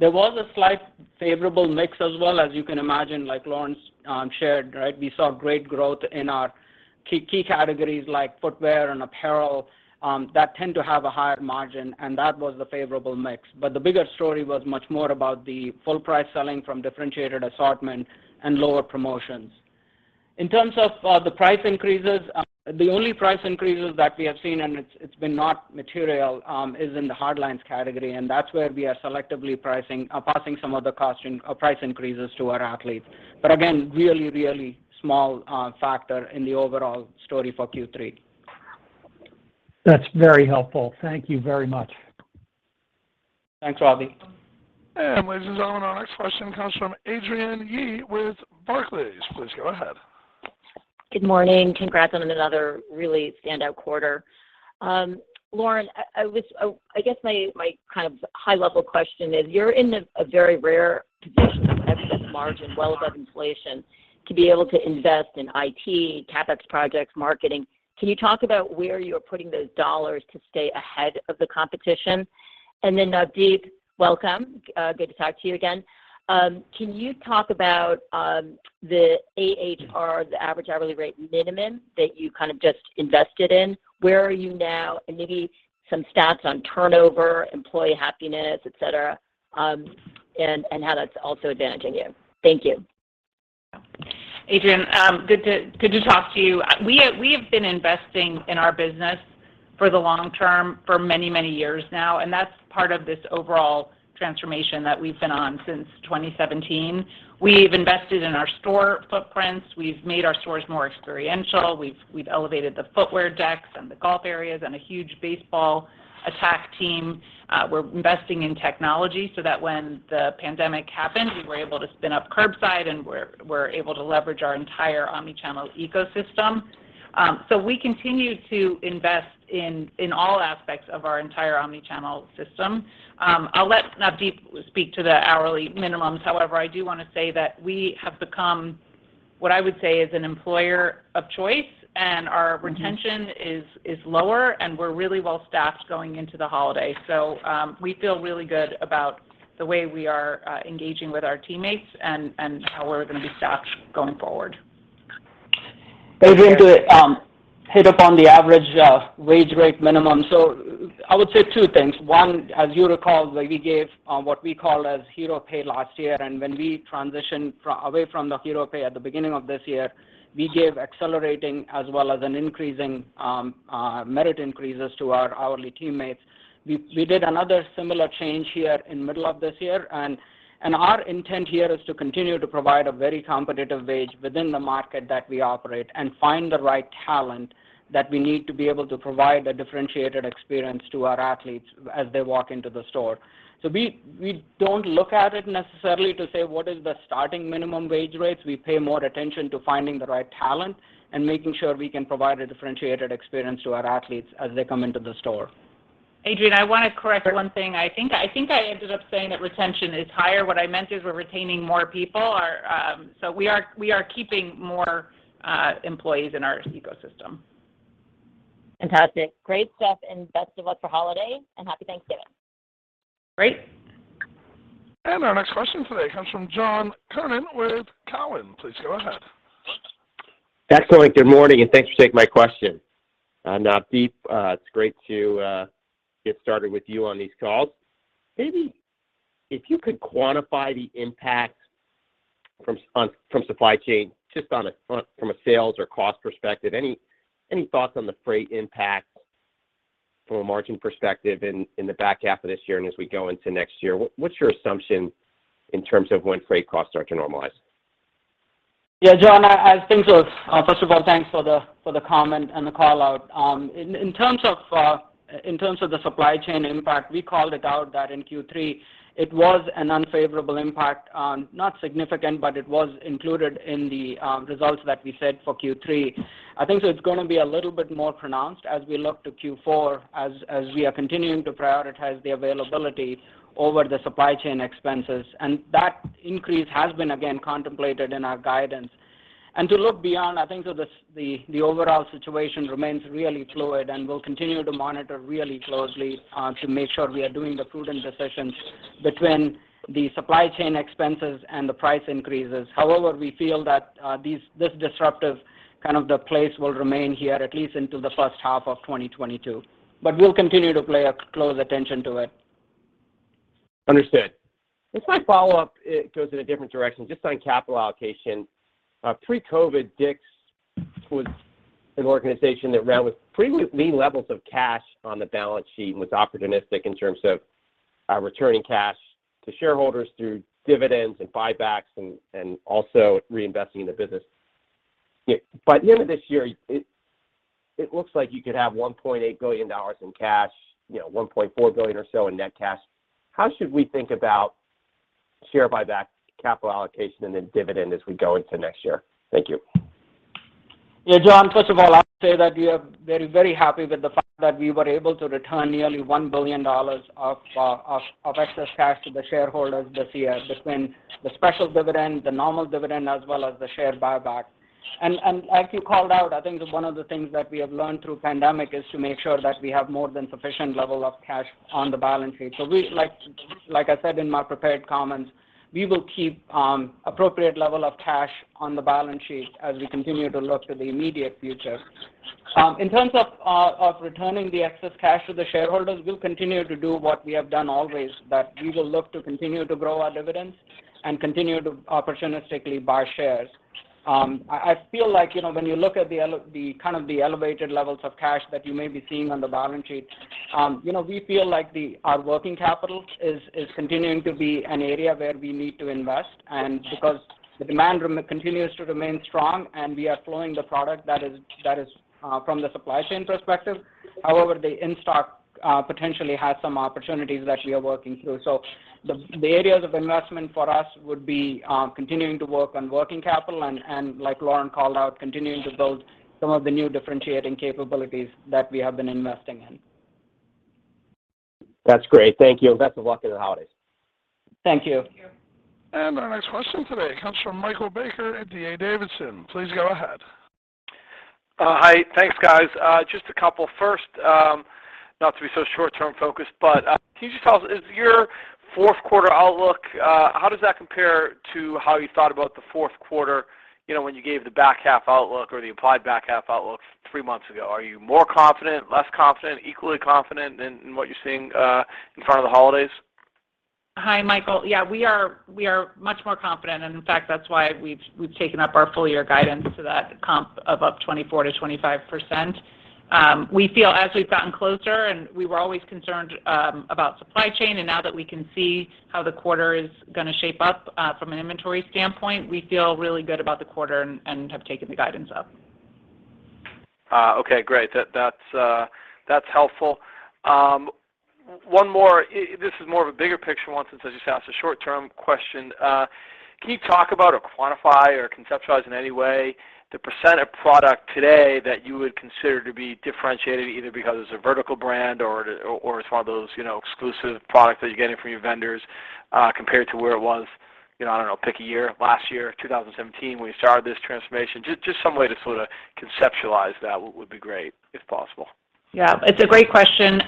There was a slight favorable mix as well, as you can imagine, like Lauren shared, right? We saw great growth in our key categories like footwear and apparel that tend to have a higher margin, and that was the favorable mix. But the bigger story was much more about the full price selling from differentiated assortment and lower promotions. In terms of the price increases, the only price increases that we have seen, and it's been not material, is in the hardlines category, and that's where we are selectively pricing... Passing some of the price increases to our athletes. Again, really small factor in the overall story for Q3. That's very helpful. Thank you very much. Thanks, Robbie. Ladies and gentlemen, our next question comes from Adrienne Yih with Barclays. Please go ahead. Good morning. Congrats on another really standout quarter. Lauren, I guess my kind of high level question is you're in a very rare position of EPS margin well above inflation to be able to invest in IT, CapEx projects, marketing. Can you talk about where you're putting those dollars to stay ahead of the competition? Navdeep, welcome. Good to talk to you again. Can you talk about the AHR, the average hourly rate minimum that you kind of just invested in? Where are you now, and maybe some stats on turnover, employee happiness, et cetera, and how that's also advantaging you. Thank you. Adrienne, good to talk to you. We have been investing in our business for the long term for many years now, and that's part of this overall transformation that we've been on since 2017. We've invested in our store footprints. We've made our stores more experiential. We've elevated the footwear decks and the golf areas and a huge baseball bat team. We're investing in technology so that when the pandemic happened, we were able to spin up curbside, and we're able to leverage our entire omni-channel ecosystem. We continue to invest in all aspects of our entire omni-channel system. I'll let Navdeep speak to the hourly minimums. However, I do wanna say that we have become, what I would say is an employer of choice, and our retention is lower, and we're really well staffed going into the holiday. We feel really good about the way we are engaging with our teammates and how we're gonna be staffed going forward. Adrienne, to hit upon the average wage rate minimum, so I would say two things. One, as you recall, we gave what we call hero pay last year, and when we transitioned away from the hero pay at the beginning of this year, we gave accelerating as well as an increasing merit increases to our hourly teammates. We did another similar change here in middle of this year and our intent here is to continue to provide a very competitive wage within the market that we operate and find the right talent that we need to be able to provide a differentiated experience to our athletes as they walk into the store. We don't look at it necessarily to say what is the starting minimum wage rates. We pay more attention to finding the right talent and making sure we can provide a differentiated experience to our athletes as they come into the store. Adrienne, I wanna correct one thing. I think I ended up saying that retention is higher. What I meant is we're retaining more people or so we are keeping more employees in our ecosystem. Fantastic. Great stuff, and best of luck for holiday, and happy Thanksgiving. Great. Our next question today comes from John Kernan with Cowen. Please go ahead. Excellent. Good morning, and thanks for taking my question. Navdeep, it's great to get started with you on these calls. Maybe if you could quantify the impact from supply chain from a sales or cost perspective. Any thoughts on the freight impact from a margin perspective in the back half of this year and as we go into next year? What's your assumption in terms of when freight costs are to normalize? Yeah, John, I think so. First of all, thanks for the comment and the call-out. In terms of the supply chain impact, we called it out that in Q3, it was an unfavorable impact, not significant, but it was included in the results that we said for Q3. I think so it's gonna be a little bit more pronounced as we look to Q4, as we are continuing to prioritize the availability over the supply chain expenses, and that increase has been again contemplated in our guidance. To look beyond, I think so the overall situation remains really fluid, and we'll continue to monitor really closely to make sure we are doing the prudent decisions between the supply chain expenses and the price increases. However, we feel that this disruptive kind of pace will remain here at least into the first half of 2022, but we'll continue to pay close attention to it. Understood. This might follow up, it goes in a different direction, just on capital allocation. Pre-COVID, DICK'S was an organization that ran with pretty lean levels of cash on the balance sheet and was opportunistic in terms of returning cash to shareholders through dividends and buybacks and also reinvesting in the business. By the end of this year, it looks like you could have $1.8 billion in cash, you know, $1.4 billion or so in net cash. How should we think about share buyback, capital allocation, and then dividend as we go into next year? Thank you. Yeah, John, first of all, I'd say that we are very, very happy with the fact that we were able to return nearly $1 billion of excess cash to the shareholders this year between the special dividend, the normal dividend, as well as the share buyback. As you called out, I think one of the things that we have learned through the pandemic is to make sure that we have more than sufficient level of cash on the balance sheet. Like I said in my prepared comments, we will keep appropriate level of cash on the balance sheet as we continue to look to the immediate future. In terms of returning the excess cash to the shareholders, we'll continue to do what we have done always, that we will look to continue to grow our dividends and continue to opportunistically buy shares. I feel like, you know, when you look at the kind of elevated levels of cash that you may be seeing on the balance sheet, you know, we feel like our working capital is continuing to be an area where we need to invest. Because the demand continues to remain strong and we are flowing the product that is from the supply chain perspective. However, the in-stock potentially has some opportunities that we are working through. The areas of investment for us would be continuing to work on working capital and, like Lauren called out, continuing to build some of the new differentiating capabilities that we have been investing in. That's great. Thank you. Best of luck in the holidays. Thank you. Thank you. Our next question today comes from Michael Baker at D.A. Davidson. Please go ahead. Hi. Thanks, guys. Just a couple. First, not to be so short-term focused, but, can you just tell us, is your fourth quarter outlook, how does that compare to how you thought about the fourth quarter, you know, when you gave the back half outlook or the applied back half outlook three months ago? Are you more confident, less confident, equally confident in what you're seeing in front of the holidays? Hi, Michael. Yeah, we are much more confident. In fact, that's why we've taken up our full year guidance to that comp of up 24%-25%. We feel as we've gotten closer, and we were always concerned about supply chain, and now that we can see how the quarter is gonna shape up, from an inventory standpoint, we feel really good about the quarter and have taken the guidance up. Okay, great. That's helpful. One more. This is more of a bigger picture one since I just asked a short-term question. Can you talk about, or quantify, or conceptualize in any way the percent of product today that you would consider to be differentiated, either because it's a vertical brand or it's one of those, you know, exclusive products that you're getting from your vendors, compared to where it was, you know, I don't know, pick a year, last year, 2017 when you started this transformation? Just some way to sort of conceptualize that would be great, if possible. Yeah. It's a great question.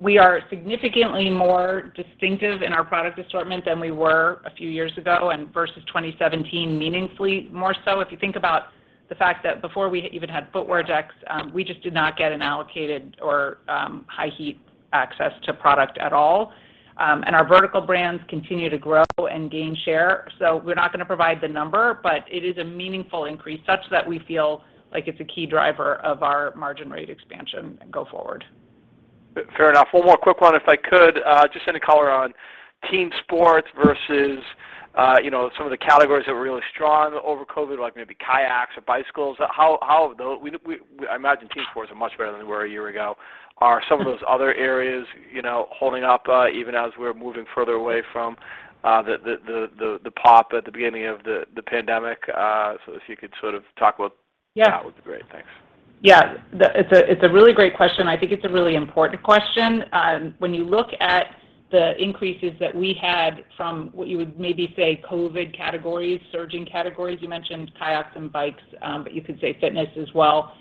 We are significantly more distinctive in our product assortment than we were a few years ago, and versus 2017 meaningfully more so. If you think about the fact that before we even had Footwear Decks, we just did not get an allocated high heat access to product at all. Our vertical brands continue to grow and gain share. We're not gonna provide the number, but it is a meaningful increase such that we feel like it's a key driver of our margin rate expansion go forward. Fair enough. One more quick one, if I could. Just any color on team sports versus, you know, some of the categories that were really strong over COVID, like maybe kayaks or bicycles. I imagine team sports are much better than they were a year ago. Are some of those other areas, you know, holding up, even as we're moving further away from the pop at the beginning of the pandemic? So if you could sort of talk about... Yeah That would be great. Thanks. Yeah. It's a really great question. I think it's a really important question. When you look at the increases that we had from what you would maybe say COVID categories, surging categories, you mentioned kayaks and bikes, but you could say fitness as well.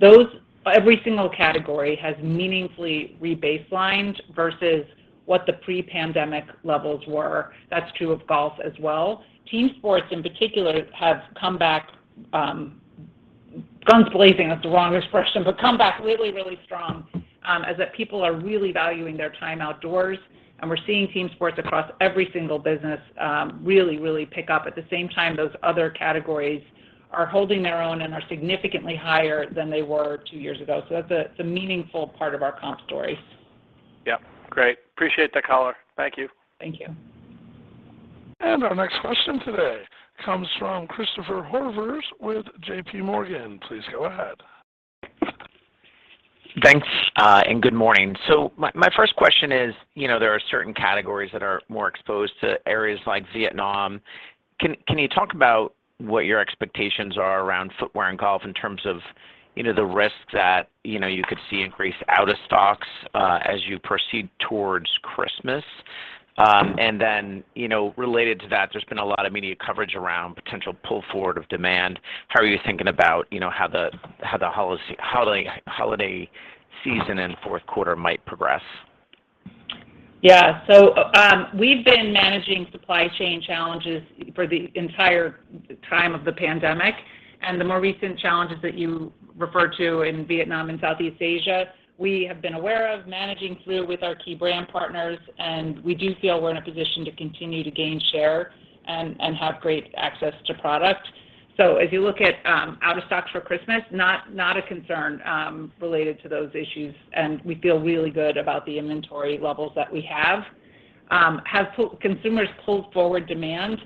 Every single category has meaningfully re-baselined versus what the pre-pandemic levels were. That's true of golf as well. Team sports in particular have come back, guns blazing, that's the wrong expression, but come back really, really strong, as that people are really valuing their time outdoors, and we're seeing team sports across every single business, really, really pick up. At the same time, those other categories are holding their own and are significantly higher than they were two years ago. That's a, it's a meaningful part of our comp story. Yeah. Great. Appreciate the color. Thank you. Thank you. Our next question today comes from Christopher Horvers with JPMorgan. Please go ahead. Thanks, and good morning. My first question is, you know, there are certain categories that are more exposed to areas like Vietnam. Can you talk about what your expectations are around footwear and golf in terms of, you know, the risks that, you know, you could see increased out of stocks, as you proceed towards Christmas? And then, you know, related to that, there's been a lot of media coverage around potential pull forward of demand. How are you thinking about, you know, how the holiday season and fourth quarter might progress? Yeah. We've been managing supply chain challenges for the entire time of the pandemic. The more recent challenges that you referred to in Vietnam and Southeast Asia, we have been aware of managing through with our key brand partners, and we do feel we're in a position to continue to gain share and have great access to product. As you look at out of stocks for Christmas, not a concern related to those issues, and we feel really good about the inventory levels that we have. Have consumers pulled forward demand?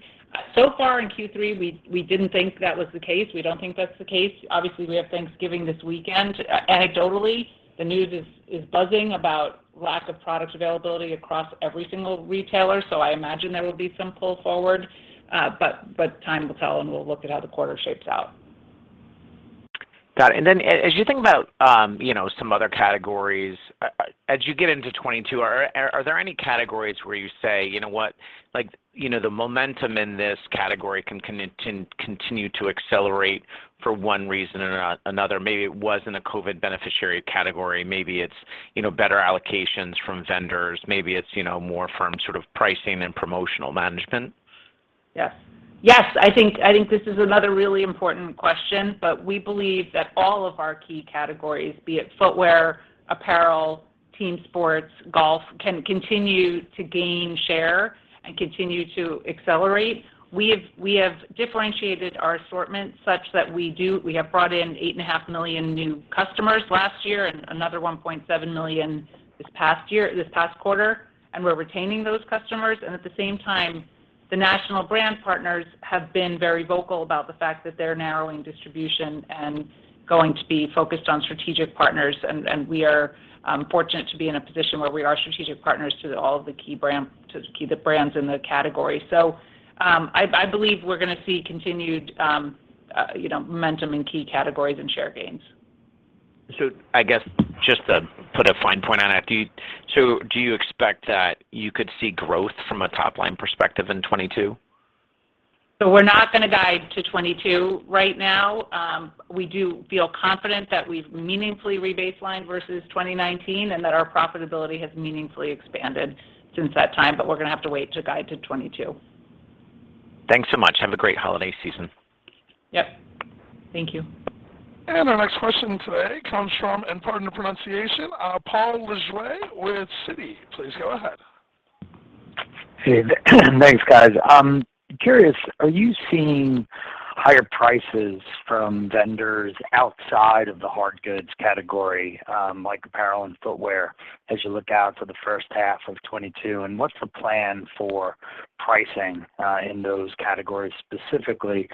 So far in Q3, we didn't think that was the case. We don't think that's the case. Obviously, we have Thanksgiving this weekend. Anecdotally, the news is buzzing about lack of product availability across every single retailer, so I imagine there will be some pull forward. Time will tell, and we'll look at how the quarter shapes out. Got it. As you think about, you know, some other categories, as you get into 2022, are there any categories where you say, "You know what? Like, you know, the momentum in this category can continue to accelerate for one reason or another." Maybe it was in a COVID beneficiary category. Maybe it's, you know, better allocations from vendors. Maybe it's, you know, more from sort of pricing and promotional management. Yes. I think this is another really important question, but we believe that all of our key categories, be it footwear, apparel, team sports, golf, can continue to gain share and continue to accelerate. We have differentiated our assortment such that we have brought in 8.5 million new customers last year and another 1.7 million this past quarter, and we're retaining those customers. We are fortunate to be in a position where we are strategic partners to the key brands in the category. I believe we're gonna see continued you know momentum in key categories and share gains. I guess just to put a fine point on it, do you expect that you could see growth from a top-line perspective in 2022? We're not gonna guide to 2022 right now. We do feel confident that we've meaningfully re-baselined versus 2019, and that our profitability has meaningfully expanded since that time, but we're gonna have to wait to guide to 2022. Thanks so much. Have a great holiday season. Yep. Thank you. Our next question today comes from, and pardon the pronunciation, Paul Lejuez with Citi. Please go ahead. Hey, thanks, guys. I'm curious, are you seeing higher prices from vendors outside of the hard goods category, like apparel and footwear as you look out for the first half of 2022? What's the plan for pricing in those categories specifically?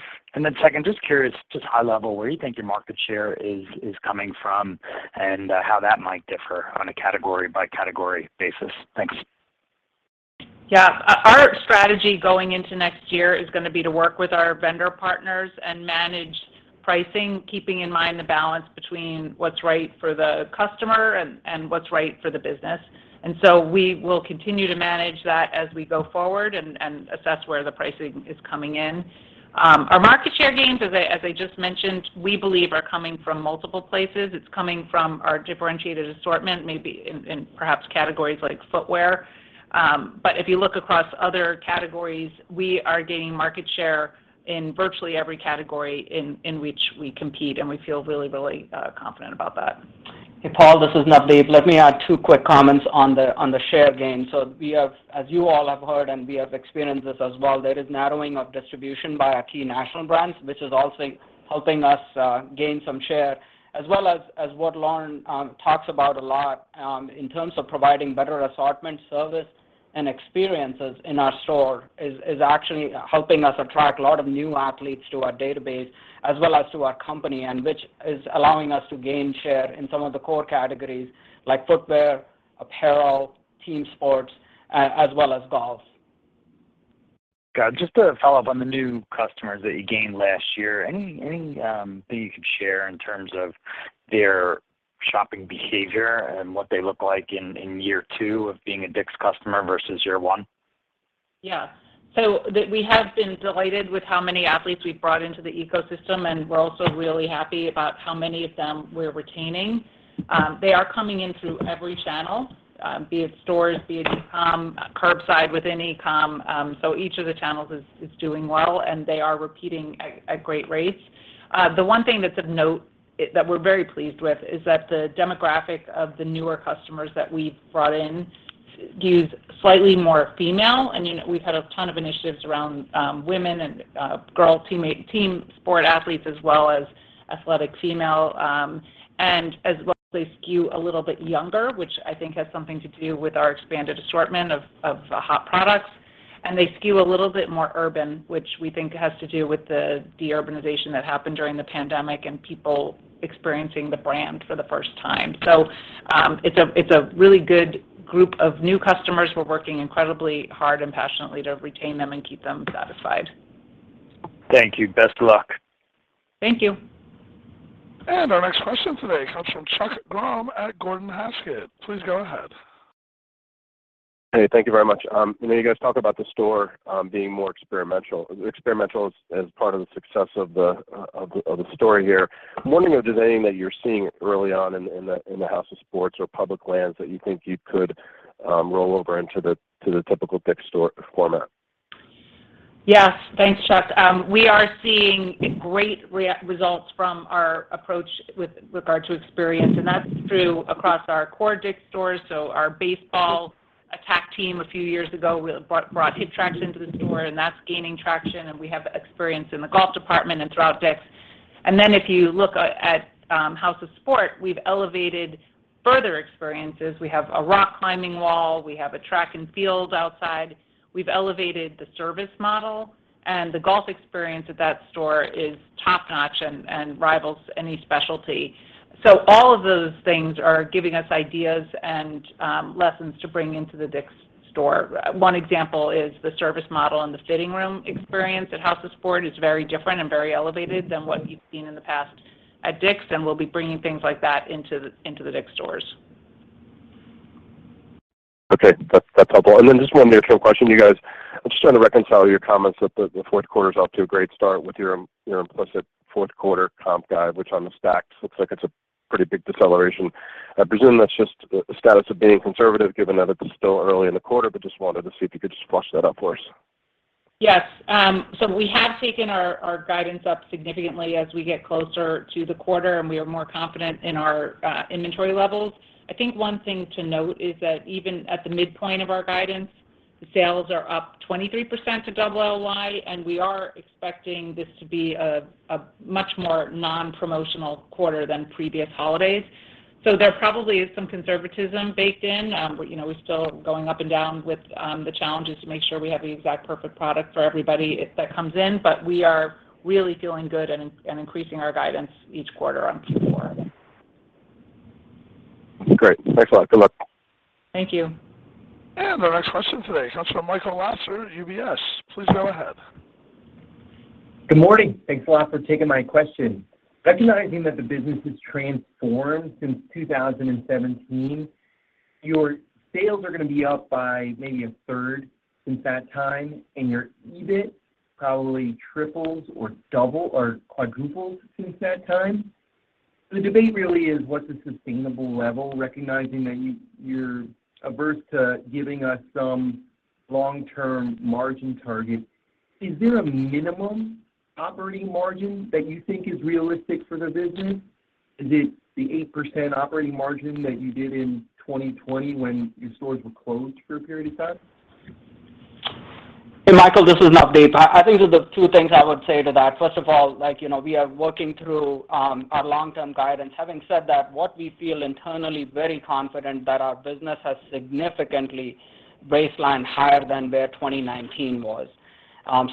Second, just curious, just high level, where you think your market share is coming from and how that might differ on a category by category basis. Thanks. Yeah. Our strategy going into next year is gonna be to work with our vendor partners and manage pricing, keeping in mind the balance between what's right for the customer and what's right for the business. We will continue to manage that as we go forward and assess where the pricing is coming in. Our market share gains, as I just mentioned, we believe are coming from multiple places. It's coming from our differentiated assortment, maybe in perhaps categories like footwear. But if you look across other categories, we are gaining market share in virtually every category in which we compete, and we feel really confident about that. Hey, Paul, this is Navdeep. Let me add two quick comments on the share gain. We have, as you all have heard and we have experienced this as well, there is narrowing of distribution by our key national brands, which is also helping us gain some share, as well as what Lauren talks about a lot in terms of providing better assortment, service, and experiences in our store is actually helping us attract a lot of new athletes to our database as well as to our company, and which is allowing us to gain share in some of the core categories like footwear, apparel, team sports, as well as golf. Got it. Just to follow up on the new customers that you gained last year. Anything you could share in terms of their shopping behavior and what they look like in year two of being a DICK'S customer versus year one? Yeah. We have been delighted with how many athletes we've brought into the ecosystem, and we're also really happy about how many of them we're retaining. They are coming in through every channel, be it stores, be it e-com, curbside within e-com. Each of the channels is doing well, and they are repeating at great rates. The one thing that's of note that we're very pleased with is that the demographic of the newer customers that we've brought in skew slightly more female. You know, we've had a ton of initiatives around women and Girl Team Sport athletes as well as athletic female, and as well, they skew a little bit younger, which I think has something to do with our expanded assortment of hot products. They skew a little bit more urban, which we think has to do with the de-urbanization that happened during the pandemic and people experiencing the brand for the first time. It's a really good group of new customers. We're working incredibly hard and passionately to retain them and keep them satisfied. Thank you. Best of luck. Thank you. Our next question today comes from Chuck Grom at Gordon Haskett. Please go ahead. Hey, thank you very much. I know you guys talk about the store being more experimental as part of the success of the story here. I'm wondering if there's anything that you're seeing early on in the House of Sport or Public Lands that you think you could roll over to the typical DICK'S store format. Yes. Thanks, Chuck. We are seeing great results from our approach with regard to experience, and that's throughout our core DICK'S stores. Our baseball bat team a few years ago brought HitTrax into the store, and that's gaining traction, and we have experience in the golf department and throughout DICK'S. If you look at House of Sport, we've elevated further experiences. We have a rock climbing wall. We have a track and field outside. We've elevated the service model, and the golf experience at that store is top-notch and rivals any specialty. All of those things are giving us ideas and lessons to bring into the DICK'S store. One example is the service model and the fitting room experience at House of Sport is very different and very elevated than what you've seen in the past at DICK'S, and we'll be bringing things like that into the DICK'S stores. Okay. That's helpful. Just one additional question, you guys. I'm just trying to reconcile your comments that the fourth quarter is off to a great start with your implicit fourth quarter comp guide, which on the stacks looks like it's a pretty big deceleration. I presume that's just the status of being conservative, given that it's still early in the quarter, but just wanted to see if you could just flesh that out for us. Yes. We have taken our guidance up significantly as we get closer to the quarter and we are more confident in our inventory levels. I think one thing to note is that even at the midpoint of our guidance, sales are up 23% to double LY, and we are expecting this to be a much more non-promotional quarter than previous holidays. There probably is some conservatism baked in, but you know, we're still going up and down with the challenges to make sure we have the exact perfect product for everybody if that comes in. We are really feeling good and increasing our guidance each quarter on Q4. Great. Thanks a lot. Good luck. Thank you. Our next question today comes from Michael Lasser, UBS. Please go ahead. Good morning. Thanks a lot for taking my question. Recognizing that the business has transformed since 2017, your sales are gonna be up by maybe a third since that time, and your EBIT probably triples or double or quadruples since that time. The debate really is what's the sustainable level, recognizing that you're averse to giving us some long-term margin targets. Is there a minimum operating margin that you think is realistic for the business? Is it the 8% operating margin that you did in 2020 when your stores were closed for a period of time? Hey, Michael, this is Navdeep. I think there's two things I would say to that. First of all, like, you know, we are working through our long-term guidance. Having said that, we feel very confident internally that our business has significantly baselined higher than where 2019 was.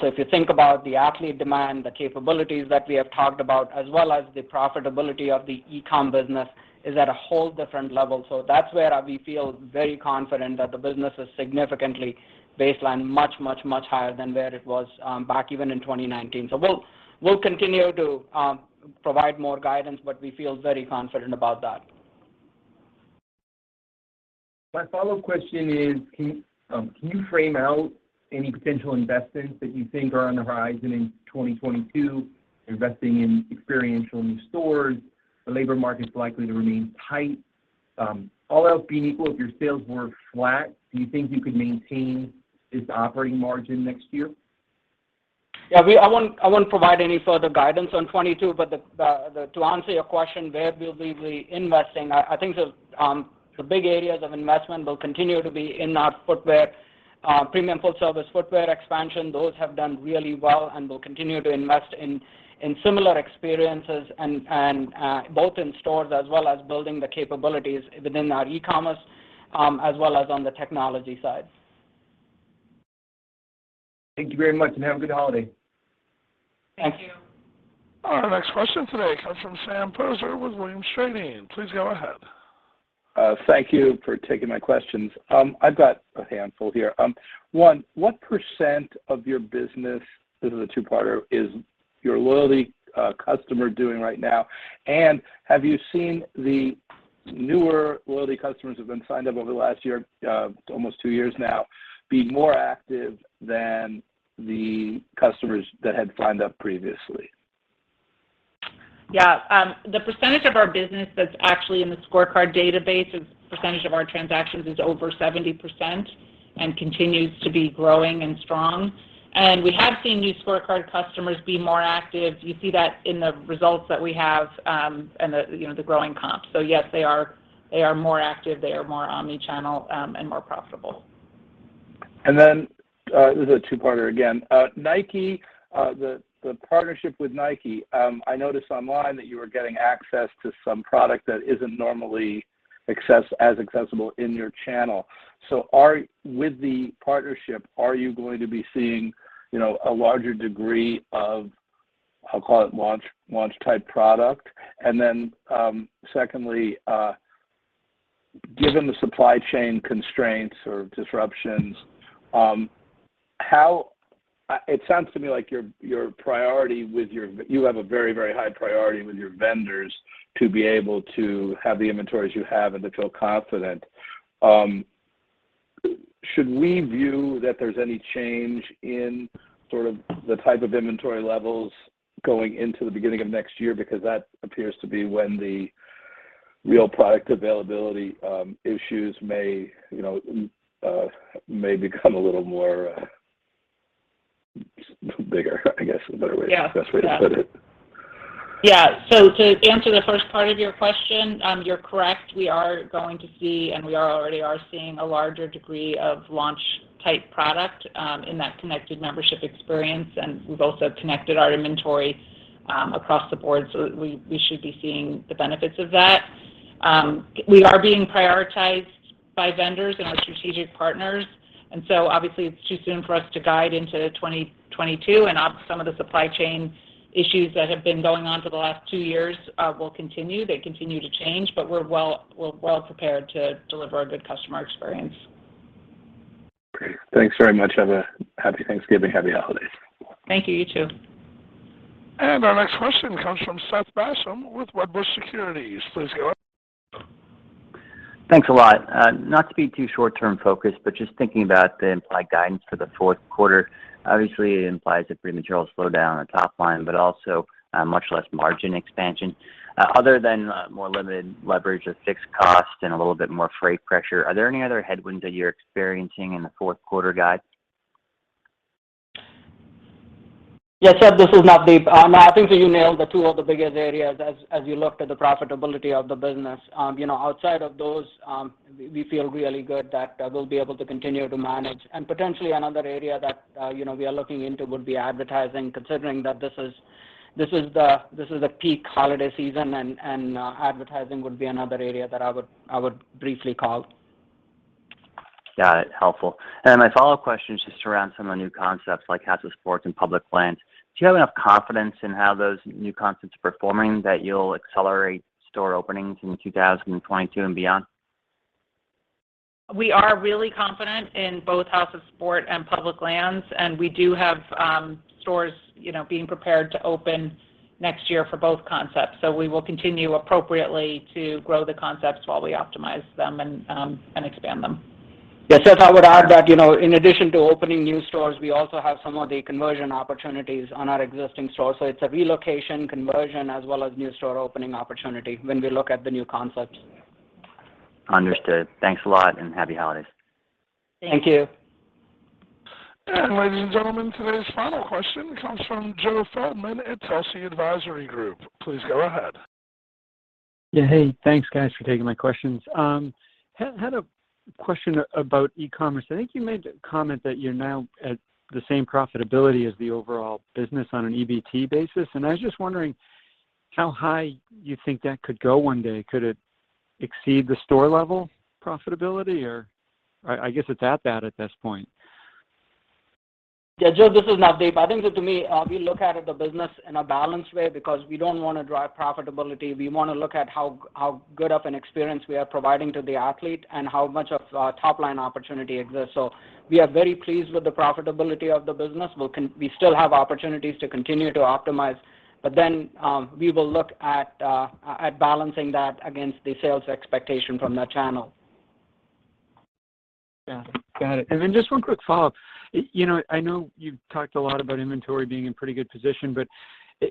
If you think about the athlete demand, the capabilities that we have talked about, as well as the profitability of the e-com business is at a whole different level. That's where we feel very confident that the business is significantly baselined much, much, much higher than where it was back even in 2019. We'll continue to provide more guidance, but we feel very confident about that. My follow-up question is, can you frame out any potential investments that you think are on the horizon in 2022, investing in experiential new stores? The labor market's likely to remain tight. All else being equal, if your sales were flat, do you think you could maintain this operating margin next year? I won't provide any further guidance on 2022. To answer your question, where we'll be reinvesting, I think the big areas of investment will continue to be in our footwear, premium full-service footwear expansion. Those have done really well, and we'll continue to invest in similar experiences and both in stores as well as building the capabilities within our e-commerce, as well as on the technology side. Thank you very much, and have a good holiday. Thank you. Our next question today comes from Sam Poser with Williams Trading. Please go ahead. Thank you for taking my questions. I've got a handful here. One, what percent of your business, this is a two-parter, is your loyalty customer doing right now? And have you seen the newer loyalty customers who have been signed up over the last year, almost two years now, be more active than the customers that had signed up previously? Yeah. The percentage of our business that's actually in the ScoreCard database is the percentage of our transactions over 70% and continues to be growing and strong. We have seen new ScoreCard customers be more active. You see that in the results that we have, and the, you know, the growing comps. Yes, they are more active, they are more omni-channel, and more profitable. This is a two-parter again. Nike, the partnership with Nike, I noticed online that you were getting access to some product that isn't normally as accessible in your channel. With the partnership, are you going to be seeing, you know, a larger degree of, I'll call it launch-type product? Given the supply chain constraints or disruptions, it sounds to me like you have a very high priority with your vendors to be able to have the inventories you have and to feel confident. Should we view that there's any change in sort of the type of inventory levels going into the beginning of next year? Because that appears to be when the real product availability issues may, you know, become a little more bigger, I guess, is a better way. Yeah. Best way to put it. Yeah. To answer the first part of your question, you're correct. We are going to see, and we are already seeing a larger degree of launch type product, in that connected membership experience, and we've also connected our inventory across the board, so we should be seeing the benefits of that. We are being prioritized by vendors and our strategic partners, and so obviously it's too soon for us to guide into 2022, and some of the supply chain issues that have been going on for the last two years will continue. They continue to change, but we're well prepared to deliver a good customer experience. Great. Thanks very much. Have a happy Thanksgiving. Happy holidays. Thank you. You too. Our next question comes from Seth Basham with Wedbush Securities. Please go ahead. Thanks a lot. Not to be too short-term focused, but just thinking about the implied guidance for the fourth quarter, obviously it implies a pretty material slowdown on the top line, but also much less margin expansion. Other than more limited leverage of fixed costs and a little bit more freight pressure, are there any other headwinds that you're experiencing in the fourth quarter guide? Yes, Seth, this is Navdeep. I think that you nailed the two of the biggest areas as you looked at the profitability of the business. You know, outside of those, we feel really good that we'll be able to continue to manage. Potentially another area that you know, we are looking into would be advertising, considering that this is the peak holiday season and advertising would be another area that I would briefly call. Got it. Helpful. My follow-up question is just around some of the new concepts like House of Sport and Public Lands. Do you have enough confidence in how those new concepts are performing that you'll accelerate store openings in 2022 and beyond? We are really confident in both House of Sport and Public Lands, and we do have stores, you know, being prepared to open next year for both concepts. We will continue appropriately to grow the concepts while we optimize them and expand them. Yes, Seth, I would add that, you know, in addition to opening new stores, we also have some of the conversion opportunities on our existing stores, so it's a relocation conversion as well as new store opening opportunity when we look at the new concepts. Understood. Thanks a lot, and happy holidays. Thank you. Thank you. Ladies and gentlemen, today's final question comes from Joe Feldman at Telsey Advisory Group. Please go ahead. Yeah, hey. Thanks guys for taking my questions. Had a question about e-commerce. I think you made the comment that you're now at the same profitability as the overall business on an EBT basis, and I was just wondering how high you think that could go one day. Could it exceed the store level profitability or I guess it's that bad at this point. Yeah, Joe, this is Navdeep. I think that to me, we look at the business in a balanced way because we don't wanna drive profitability. We wanna look at how good of an experience we are providing to the athlete and how much of a top-line opportunity exists. We are very pleased with the profitability of the business. We still have opportunities to continue to optimize, but then, we will look at balancing that against the sales expectation from that channel. Yeah. Got it. Then just one quick follow-up. You know, I know you've talked a lot about inventory being in pretty good position, but,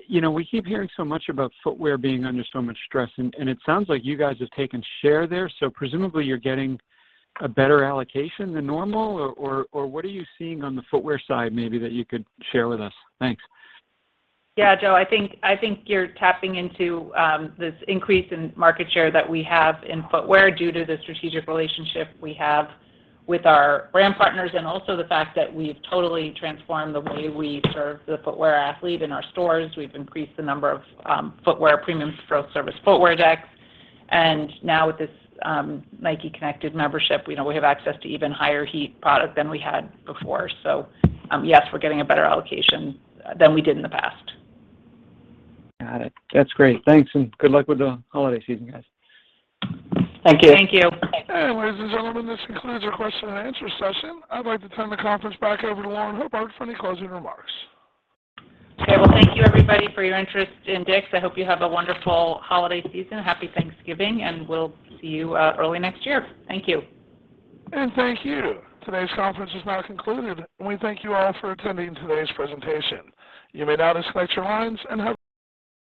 you know, we keep hearing so much about footwear being under so much stress and it sounds like you guys have taken share there, so presumably you're getting a better allocation than normal or what are you seeing on the footwear side maybe that you could share with us? Thanks. Yeah, Joe. I think you're tapping into this increase in market share that we have in footwear due to the strategic relationship we have with our brand partners and also the fact that we've totally transformed the way we serve the footwear athlete in our stores. We've increased the number of footwear premium store service footwear decks. Now with this Nike Membership, you know, we have access to even higher heat product than we had before. Yes, we're getting a better allocation than we did in the past. Got it. That's great. Thanks, and good luck with the holiday season, guys. Thank you. Thank you. Ladies and gentlemen, this concludes our question and answer session. I'd like to turn the conference back over to Lauren Hobart for any closing remarks. Okay. Well, thank you everybody for your interest in DICK'S. I hope you have a wonderful holiday season. Happy Thanksgiving, and we'll see you early next year. Thank you. Thank you. Today's conference is now concluded, and we thank you all for attending today's presentation. You may now disconnect your lines, and have.